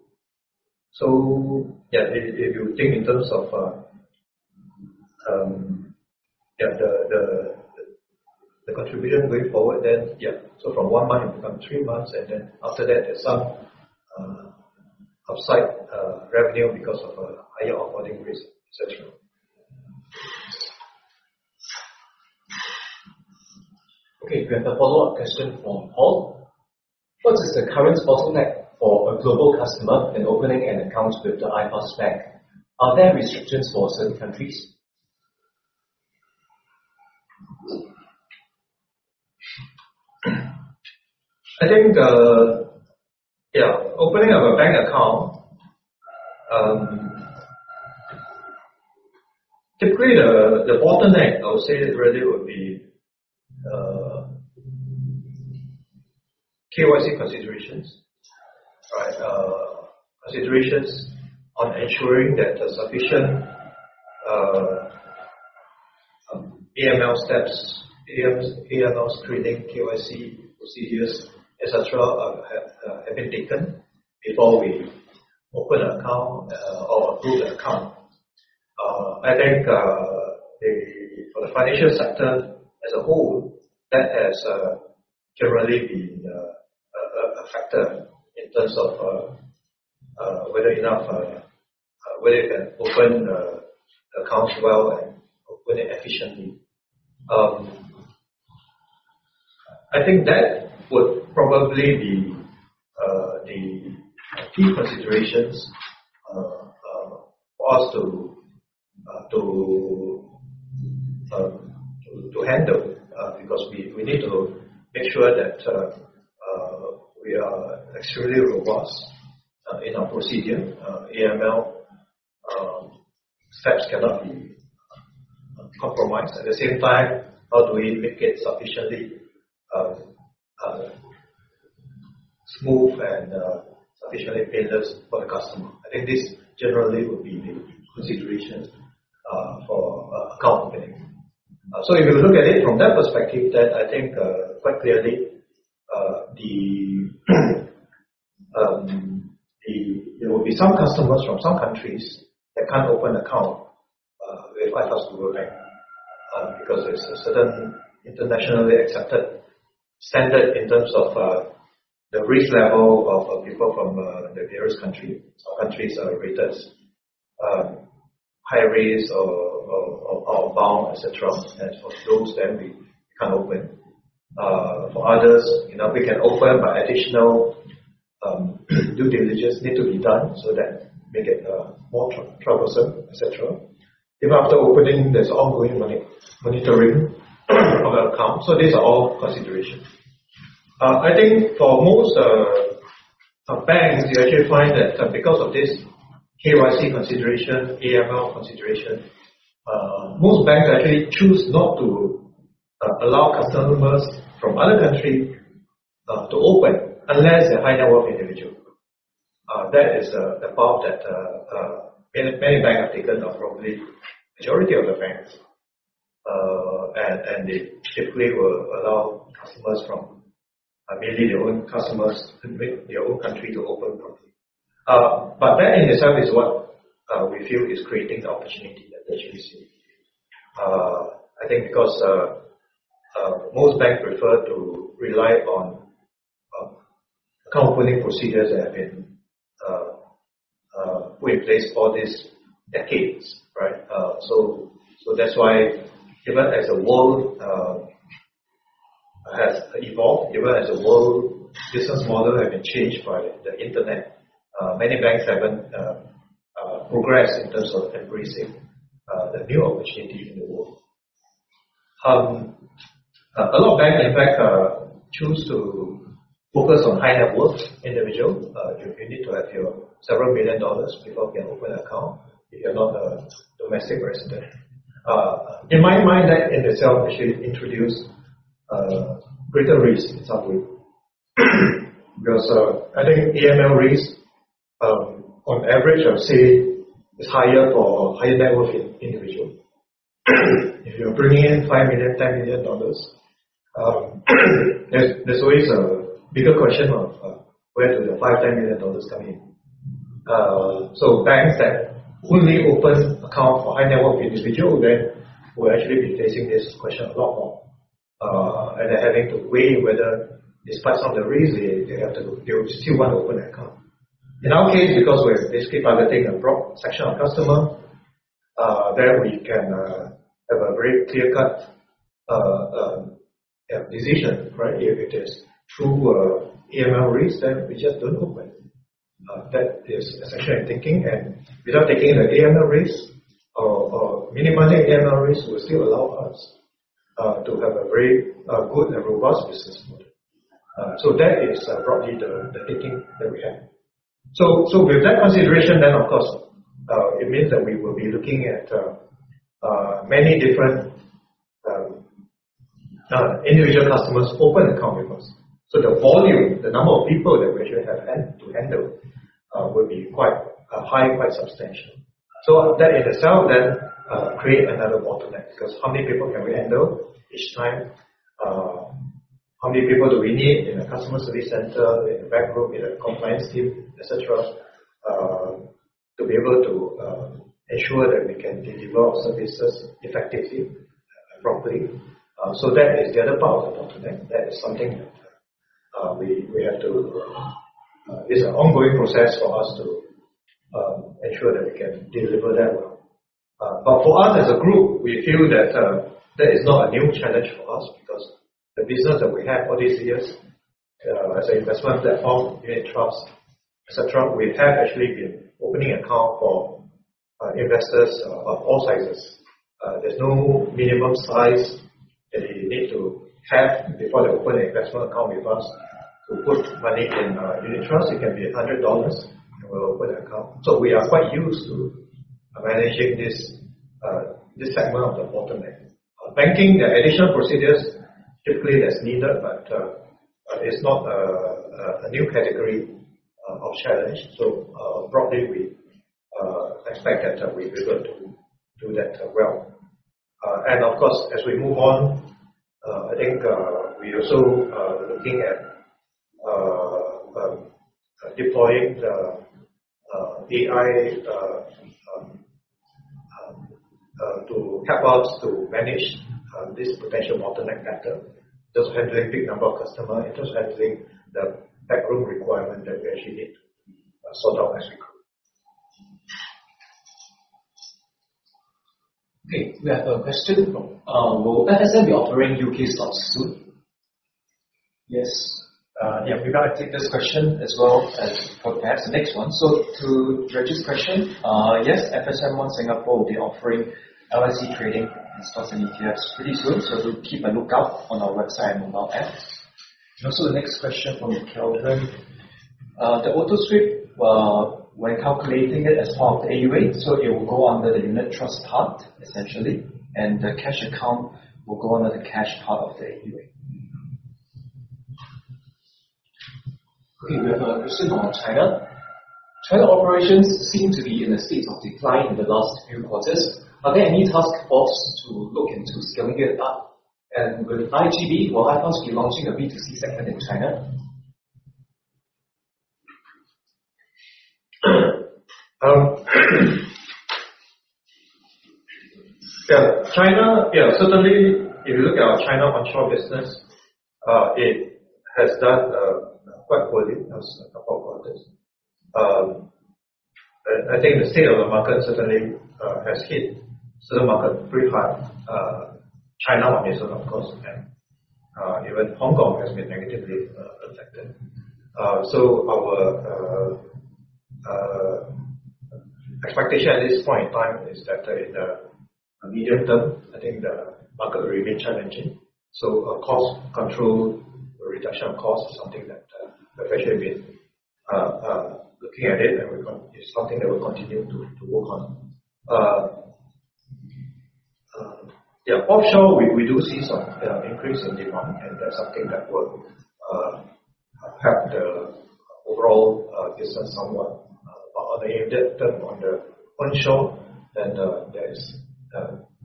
yeah if you think in terms of the contribution going forward then yeah. So from one month it become three months and then after that there's some upside revenue because of a higher onboarding risk et cetera. Okay, we have a follow-up question from Paul. What is the current bottleneck for a global customer in opening an account with the iFAST Global Bank? Are there restrictions for certain countries? I think, yeah, opening up a bank account, typically, the bottleneck I would say is really would be KYC considerations, right? Considerations on ensuring that the sufficient AML steps, AML screening, KYC procedures, et cetera, have been taken before we open an account, or approve the account. I think, for the financial sector as a whole, that has generally been a factor in terms of whether you can open accounts well and open it efficiently. I think that would probably be the key considerations for us to handle. Because we need to make sure that we are extremely robust in our procedure. AML steps cannot be compromised. At the same time, how do we make it sufficiently smooth and sufficiently painless for the customer? I think this generally would be the considerations for account opening. So if you look at it from that perspective, then I think quite clearly the... There will be some customers from some countries that can't open an account with iFAST Global Bank because there's a certain internationally accepted standard in terms of the risk level of people from the various country or countries are rated high risk or bound, et cetera. And for those, then we can't open. For others, you know, we can open, but additional due diligence need to be done, so that make it more troublesome, et cetera. Even after opening, there's ongoing monitoring of the account. So these are all considerations. I think for most banks, you actually find that because of this KYC consideration, AML consideration, most banks actually choose not to allow customers from other country to open unless they're high-net-worth individual. That is the path that many, many banks have taken, or probably majority of the banks. And they typically will allow customers from mainly their own customers in their own country to open properly. But that in itself is what we feel is creating the opportunity that you see. I think because most banks prefer to rely on account opening procedures that have been put in place for these decades, right? So, that's why even as the world has evolved, even as the world business model has been changed by the internet, many banks haven't progressed in terms of embracing the new opportunity in the world. A lot of banks, in fact, choose to focus on high-net-worth individual. You need to have, you know, several million dollars before you can open an account if you're not a domestic resident. In my mind, that in itself actually introduce greater risk in some way. Because I think AML risk, on average, I would say, is higher for higher net worth individual. If you're bringing in $5 million, $10 million, there's always a bigger question of where do the $5 million, $10 million come in? Banks that only opens account for high-net-worth individual then will actually be facing this question a lot more. They're having to weigh whether, despite some of the risk, they have to, they still want to open an account. In our case, because we're basically targeting a broad section of customer, then we can have a very clear-cut decision, right? If it is through AML risk, then we just don't open. That is essentially thinking, and without taking the AML risk or minimizing AML risk, will still allow us to have a very good and robust business model. That is broadly the thinking that we have. With that consideration, then, of course, it means that we will be looking at many different individual customers open account with us. So the volume, the number of people that we should have to handle will be quite high, quite substantial. So that in itself then create another bottleneck, because how many people can we handle each time? How many people do we need in a customer service center, in the back room, in a compliance team, et cetera, to be able to ensure that we can deliver our services effectively and properly? So that is the other part of the bottleneck. That is something that we have to. It's an ongoing process for us to ensure that we can deliver that well. But for us, as a group, we feel that that is not a new challenge for us, because the business that we have all these years, as an investment platform in trust, et cetera, we have actually been opening account for investors of all sizes. There's no minimum size that you need to have before they open an investment account with us. To put money in unit trust, it can be 100 dollars, and we'll open an account. So we are quite used to managing this segment of the bottleneck. Banking, there are additional procedures, typically, that's needed, but it's not a new category of challenge. So, broadly, we expect that we'll be able to do that well. And of course, as we move on, I think, we're also looking at deploying the AI to help us to manage this potential bottleneck better, just handling big number of customer and just handling the back room requirement that we actually need to sort out as we grow. Okay, we have a question from, will FSM be offering U.K. stocks soon? Yes. Yeah, we're gonna take this question as well as perhaps the next one. So to Reggie's question, yes, FSMOne Singapore will be offering LSE trading stocks and ETFs pretty soon, so do keep a lookout on our website and mobile app. And also the next question from Kelvin. The Auto-Sweep, when calculating it as part of the AUA, so it will go under the unit trust part, essentially, and the cash account will go under the cash part of the AUA. Okay, we have a question on China. China operations seem to be in a state of decline in the last few quarters. Are there any task force to look into scaling it up? And with IGB, will iFAST be launching a B2C segment in China? Yeah, China... Yeah, certainly, if you look at our China onshore business, it has done quite poorly as about this. I think the state of the market certainly has hit certain market pretty hard. China, obviously, of course, and even Hong Kong has been negatively affected. So our expectation at this point in time is that in the immediate term, I think the market will remain challenging. So cost control, reduction cost is something that we've actually been looking at it, and It's something that we'll continue to work on. Yeah, offshore, we do see some increase in demand, and that's something that will help the overall business somewhat. But on the immediate term, on the onshore, then, there is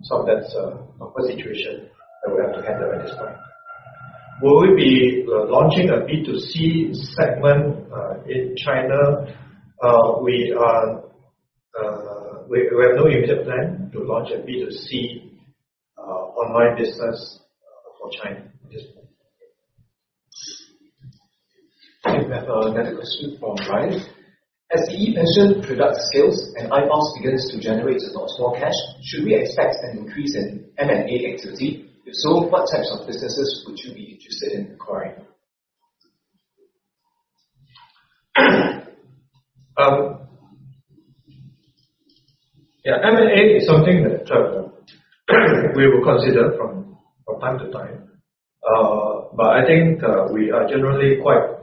some of that's a poor situation that we have to handle at this time. Will we be launching a B2C segment in China? We are, we, we have no immediate plan to launch a B2C online business for China at this point. Okay, we have another question from Brian. As he mentioned, product scales and iFAST begins to generate a lot more cash, should we expect an increase in M&A activity? If so, what types of businesses would you be interested in acquiring? Yeah, M&A is something that we will consider from time to time. But I think we are generally quite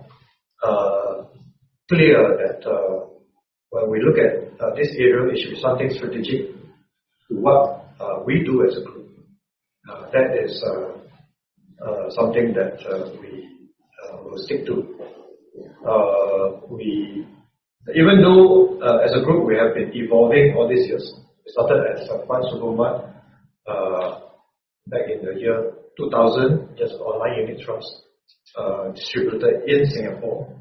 clear that when we look at this area, it should be something strategic to what we do as a group. That is something that we will stick to. We even though as a group we have been evolving all these years, we started as a fund supermarket back in the year 2000, just online unit trust distributor in Singapore.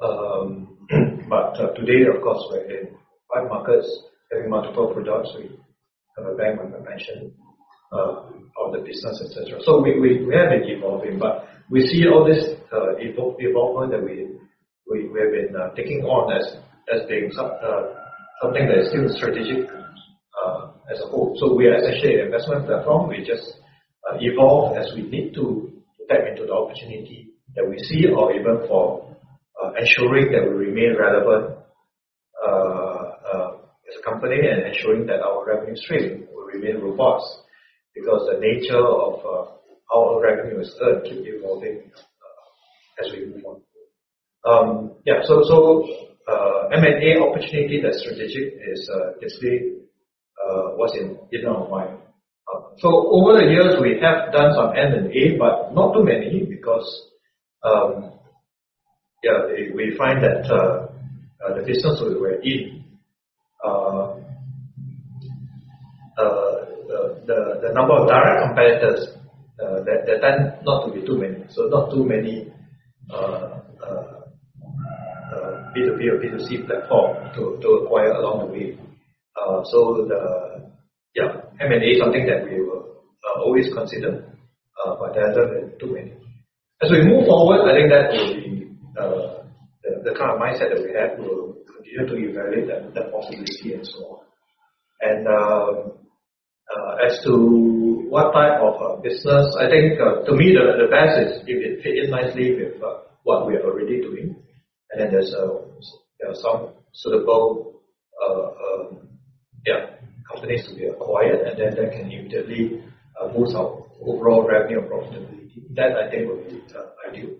But today, of course, we're in five markets, having multiple products. We have a bank, as I mentioned, all the business, et cetera. So we have been evolving, but we see all this development that we have been taking on as being something that is still strategic as a whole. So we are essentially an investment platform. We just evolve as we need to tap into the opportunity that we see, or even ensuring that we remain relevant as a company, and ensuring that our revenue stream will remain robust, because the nature of our revenue is third, keep evolving as we move on. M&A opportunity that's strategic is yesterday was in, is now fine. So over the years, we have done some M&A, but not too many, because, yeah, we find that the business we're in, the number of direct competitors, they tend not to be too many. So not too many B2B or B2C platform to acquire along the way. So, yeah, M&A is something that we will always consider, but there hasn't been too many. As we move forward, I think that will be the kind of mindset that we have will continue to evaluate the possibility and so on. And as to what type of business, I think to me, the best is if it fit in nicely with what we are already doing, and then there are some suitable companies to be acquired, and then that can immediately boost our overall revenue and profitability. That I think will be ideal.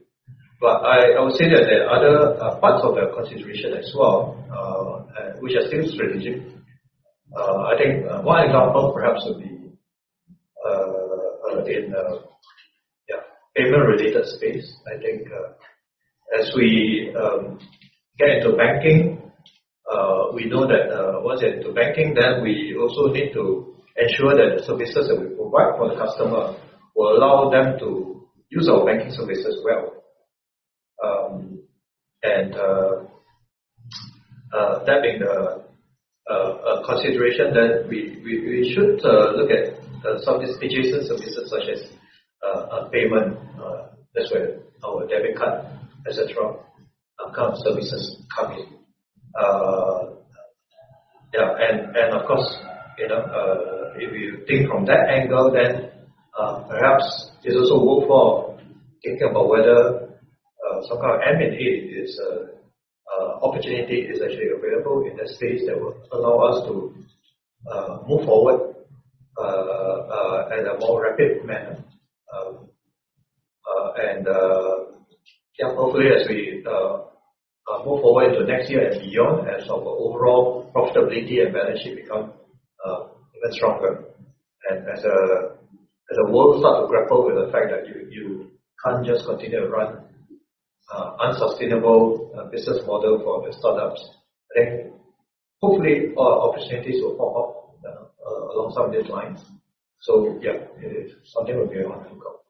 But I would say that there are other parts of the consideration as well, which are still strategic. I think one example perhaps would be in payment-related space. I think as we get into banking, we know that once into banking, then we also need to ensure that the services that we provide for the customer will allow them to use our banking service as well. That being a consideration, then we should look at some of these adjacent services, such as a payment. That's where our debit card, et cetera, account services come in. Yeah, and of course, you know, if you think from that angle, then perhaps it's also room for thinking about whether some kind of M&A is opportunity is actually available in that space that will allow us to move forward at a more rapid manner. And yeah, hopefully as we move forward into next year and beyond, as our overall profitability and balance sheet become even stronger, and as the world starts to grapple with the fact that you can't just continue to run unsustainable business model for the start-ups, I think hopefully a lot of opportunities will pop up along some of these lines. So yeah, it is something we'll be able to look up.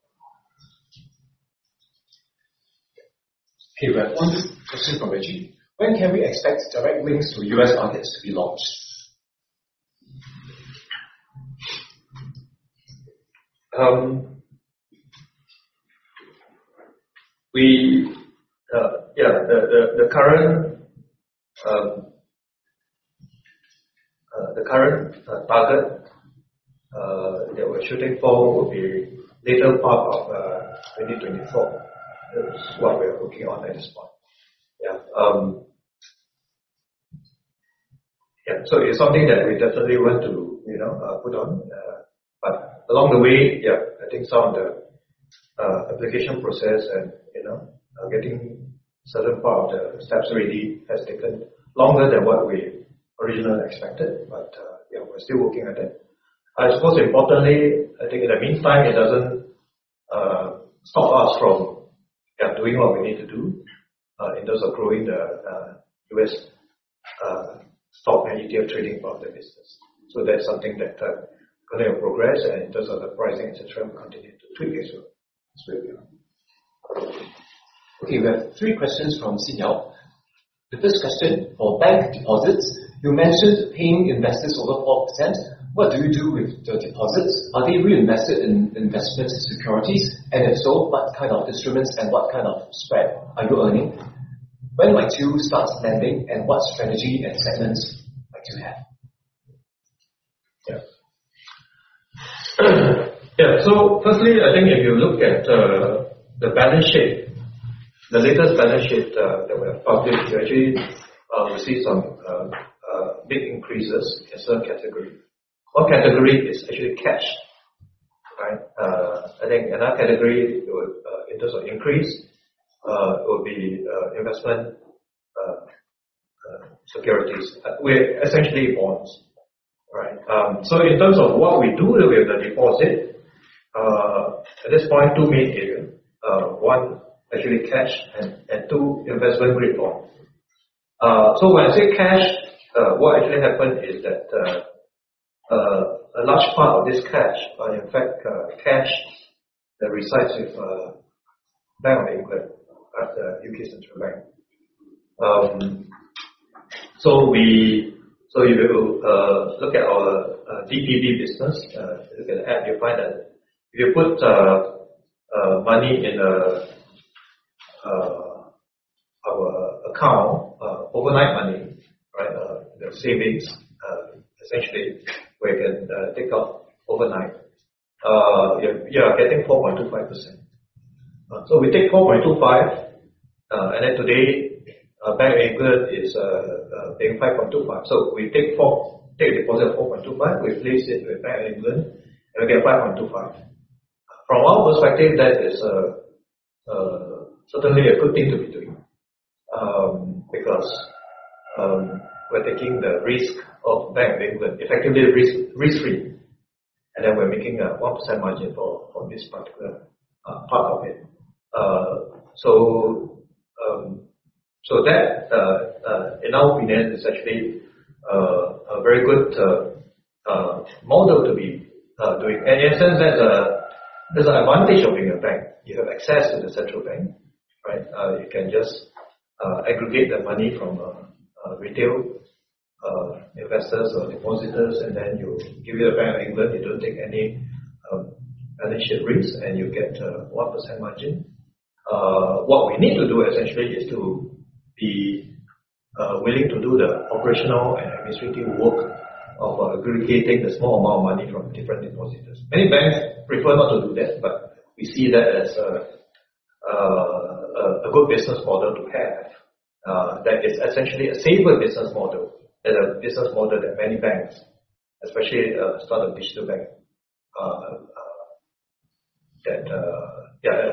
Hey, we have one question from Reggie: When can we expect direct links to U.S. markets to be launched? We, yeah, the current target that we're shooting for will be later part of 2024. That's what we are working on at this point. Yeah, yeah, so it's something that we definitely want to, you know, put on, but along the way, yeah, I think some of the application process and, you know, getting certain part of the steps already has taken longer than what we originally expected, but, yeah, we're still working on that. I suppose importantly, I think in the meantime, it doesn't stop us from, yeah, doing what we need to do, in terms of growing the U.S. stock and ETF trading for the business. That's something that kind of progress and in terms of the pricing, et cetera, we continue to tweak as well. That's where we are. Okay, we have three questions from Seale. The first question: For bank deposits, you mentioned paying investors over 4%. What do you do with the deposits? Are they reinvested in investment securities, and if so, what kind of instruments and what kind of spread are you earning? When might you start lending, and what strategy and segments might you have? Yeah. Yeah, so firstly, I think if you look at the balance sheet, the latest balance sheet that we have published, you actually see some big increases in certain category. One category is actually cash, right? I think another category it would, in terms of increase, would be investment securities with essentially bonds. All right? So in terms of what we do with the deposit, at this point, two main areas. One, actually cash, and two, investment grade bonds. So when I say cash, what actually happened is that a large part of this cash are in fact cash that resides with Bank of England at the U.K. Central Bank. So if you look at our DPB business, look at the app, you'll find that if you put money in our account, overnight money, right, the savings, essentially, we can take off overnight. You're getting 4.25%. So we take 4.25, and then today, Bank of England is paying 5.25. So we take a deposit of 4.25, we place it with Bank of England, and we get 5.25. From our perspective, that is certainly a good thing to be doing. Because we're taking the risk of Bank of England, effectively a risk, risk-free, and then we're making a 1% margin for this particular part of it. So that in our opinion is actually a very good model to be doing. And in a sense, there's an advantage of being a bank. You have access to the central bank, right? You can just aggregate the money from retail investors or depositors, and then you give it to Bank of England. They don't take any balance sheet risk, and you get 1% margin. What we need to do, essentially, is to be willing to do the operational and administrative work of aggregating the small amount of money from different depositors. Many banks prefer not to do this, but we see that as a good business model to have. That is essentially a safer business model than a business model that many banks, especially sort of digital bank, a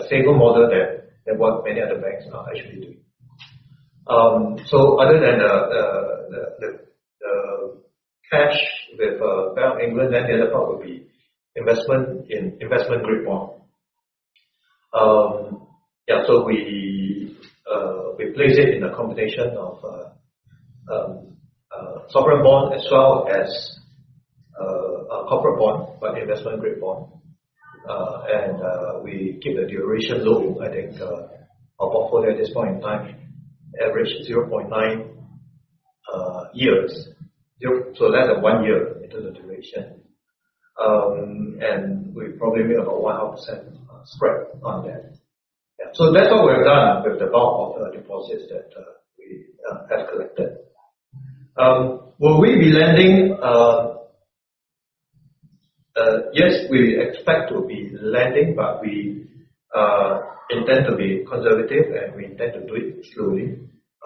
safer model than what many other banks are actually doing. Other than the cash with Bank of England, then the other part would be investment in investment-grade bond. So we place it in a combination of sovereign bond as well as a corporate bond, but investment-grade bond. And we keep the duration low. I think our portfolio at this point in time average 0.9 years. So less than one year into the duration. And we probably make about 0.5% spread on that. Yeah. So that's what we have done with the bulk of the deposits that we have collected. Will we be lending? Yes, we expect to be lending, but we intend to be conservative, and we intend to do it slowly.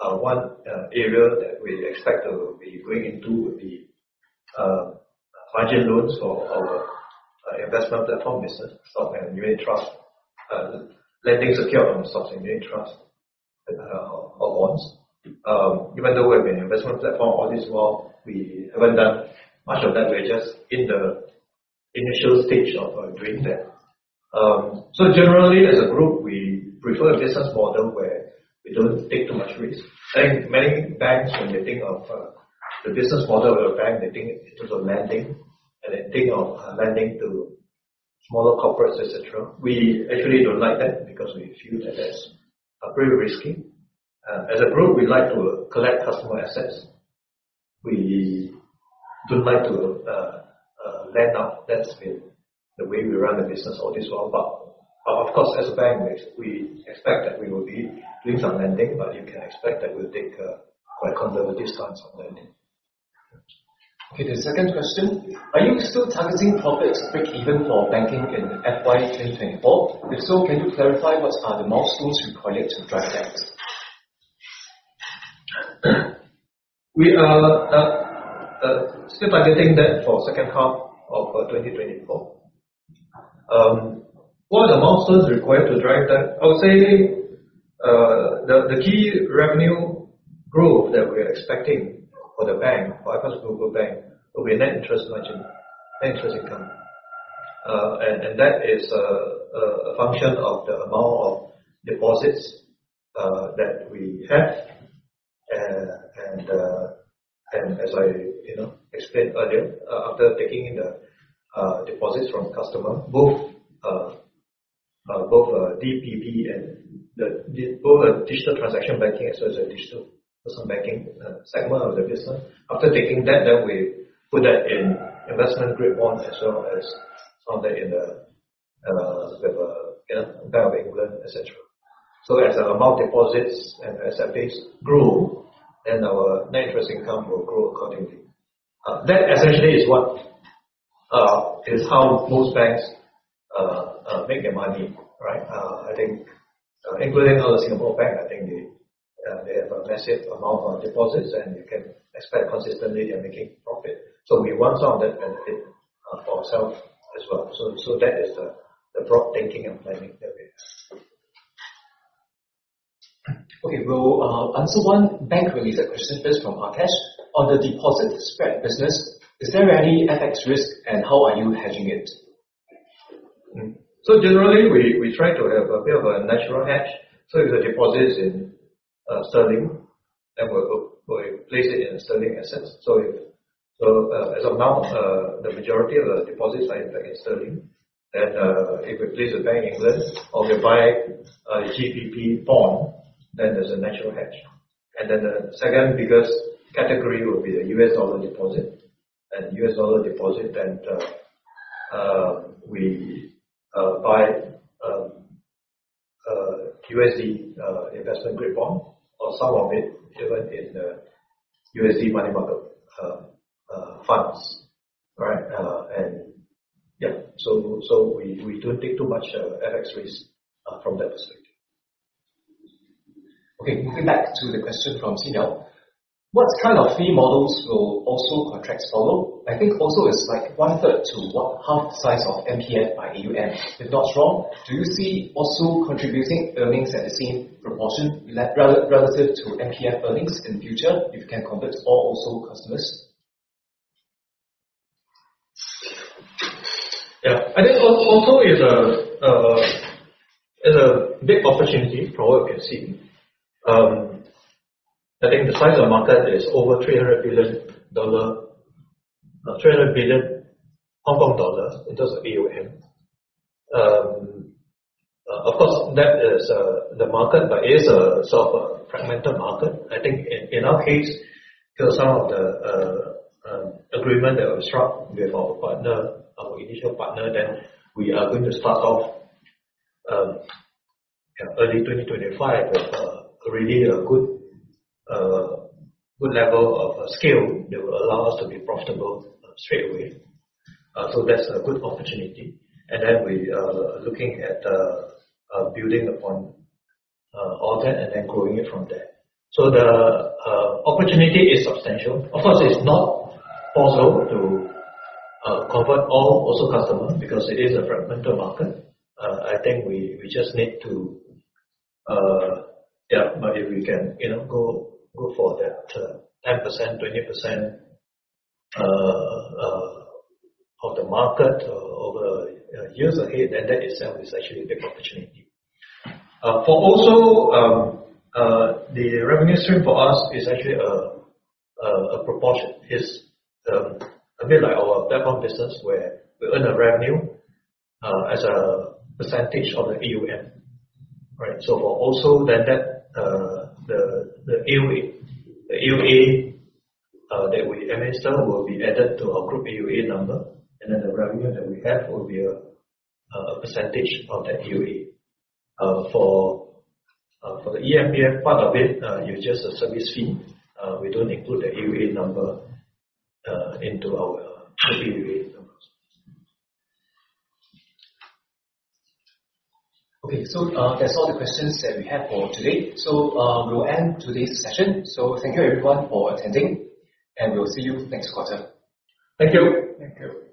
One area that we expect to be going into would be margin loans for our investment platform business, so for unit trust lending secured on unit trust or loans. Even though we have an investment platform, although, well, we haven't done much of that. We're just in the initial stage of doing that. So generally, as a group, we prefer a business model where we don't take too much risk. I think many banks, when they think of the business model of a bank, they think in terms of lending, and they think of lending to smaller corporates, et cetera. We actually don't like that because we feel that that's very risky. As a group, we like to collect customer assets. We don't like to lend out. That's been the way we run the business all this while. But of course, as a bank, we expect that we will be doing some lending, but you can expect that we'll take a quite conservative stance on lending. Okay, the second question: Are you still targeting profit breakeven for banking in FY 2024? If so, can you clarify what are the milestones required to drive that? We are still targeting that for second half of 2024. What are the milestones required to drive that? I would say the key revenue growth that we are expecting for the bank, for iFAST Global Bank, will be net interest margin, net interest income. And that is a function of the amount of deposits that we have. And as I, you know, explained earlier, after taking the deposits from customer, both DPB and both the Digital Transaction Banking as well as the Digital Personal Banking segment of the business. After taking that, then we put that in investment grade bonds, as well as some of that in the with Bank of England, et cetera. So as our amount deposits and assets grow, then our net interest income will grow accordingly. That essentially is what is how most banks make their money, right? I think, including our Singapore bank, I think they have a massive amount of deposits, and you can expect consistently they are making profit. So we want some of that benefit for ourself as well. So that is the broad thinking and planning that we have. Okay, we'll answer one bank-related question first from Akash. On the deposit spread business, is there any FX risk, and how are you hedging it? So generally, we try to have a bit of a natural hedge. So if the deposit is in sterling, then we'll place it in sterling assets. So as of now, the majority of the deposits are in sterling, and if we place a Bank of England or we buy a GBP bond, then there's a natural hedge. And then the second biggest category will be the U.S. dollar deposit. And U.S. dollar deposit, then we buy USD investment grade bond, or some of it given in the USD money market funds. Right? And yeah, so we don't take too much FX risk from that perspective. Okay, moving back to the question from Tina. What kind of fee models will ORSO contracts follow? I think ORSO is like one-third to, what, half the size of MPF by AUM, if not wrong. Do you see ORSO contributing earnings at the same proportion relative to MPF earnings in the future, if you can convert all ORSO customers? Yeah. I think ORSO is a big opportunity for we can see. I think the size of the market is over 300 billion Hong Kong dollars in terms of AUM. Of course, that is the market, but it is a sort of a fragmented market. I think in our case, because some of the agreement that was struck with our partner, our initial partner, then we are going to start off, yeah, early 2025 with really a good good level of scale that will allow us to be profitable straightaway. So that's a good opportunity. We are looking at building upon all that and then growing it from there. So the opportunity is substantial. Of course, it's not possible to convert all ORSO customers because it is a fragmented market. I think we just need to... Yeah, but if we can, you know, go for that 10%, 20% of the market over years ahead, then that itself is actually a big opportunity. For ORSO, the revenue stream for us is actually a proportion. It's a bit like our platform business, where we earn a revenue as a percentage of the AUM, right? So for ORSO, then that the AUM, the AUA that we administer will be added to our group AUA number, and then the revenue that we have will be a percentage of that AUA. For the eMPF, part of it is just a service fee. We don't include the AUA number into our group AUA numbers. Okay. That's all the questions that we have for today. We'll end today's session. Thank you everyone for attending, and we'll see you next quarter. Thank you. Thank you.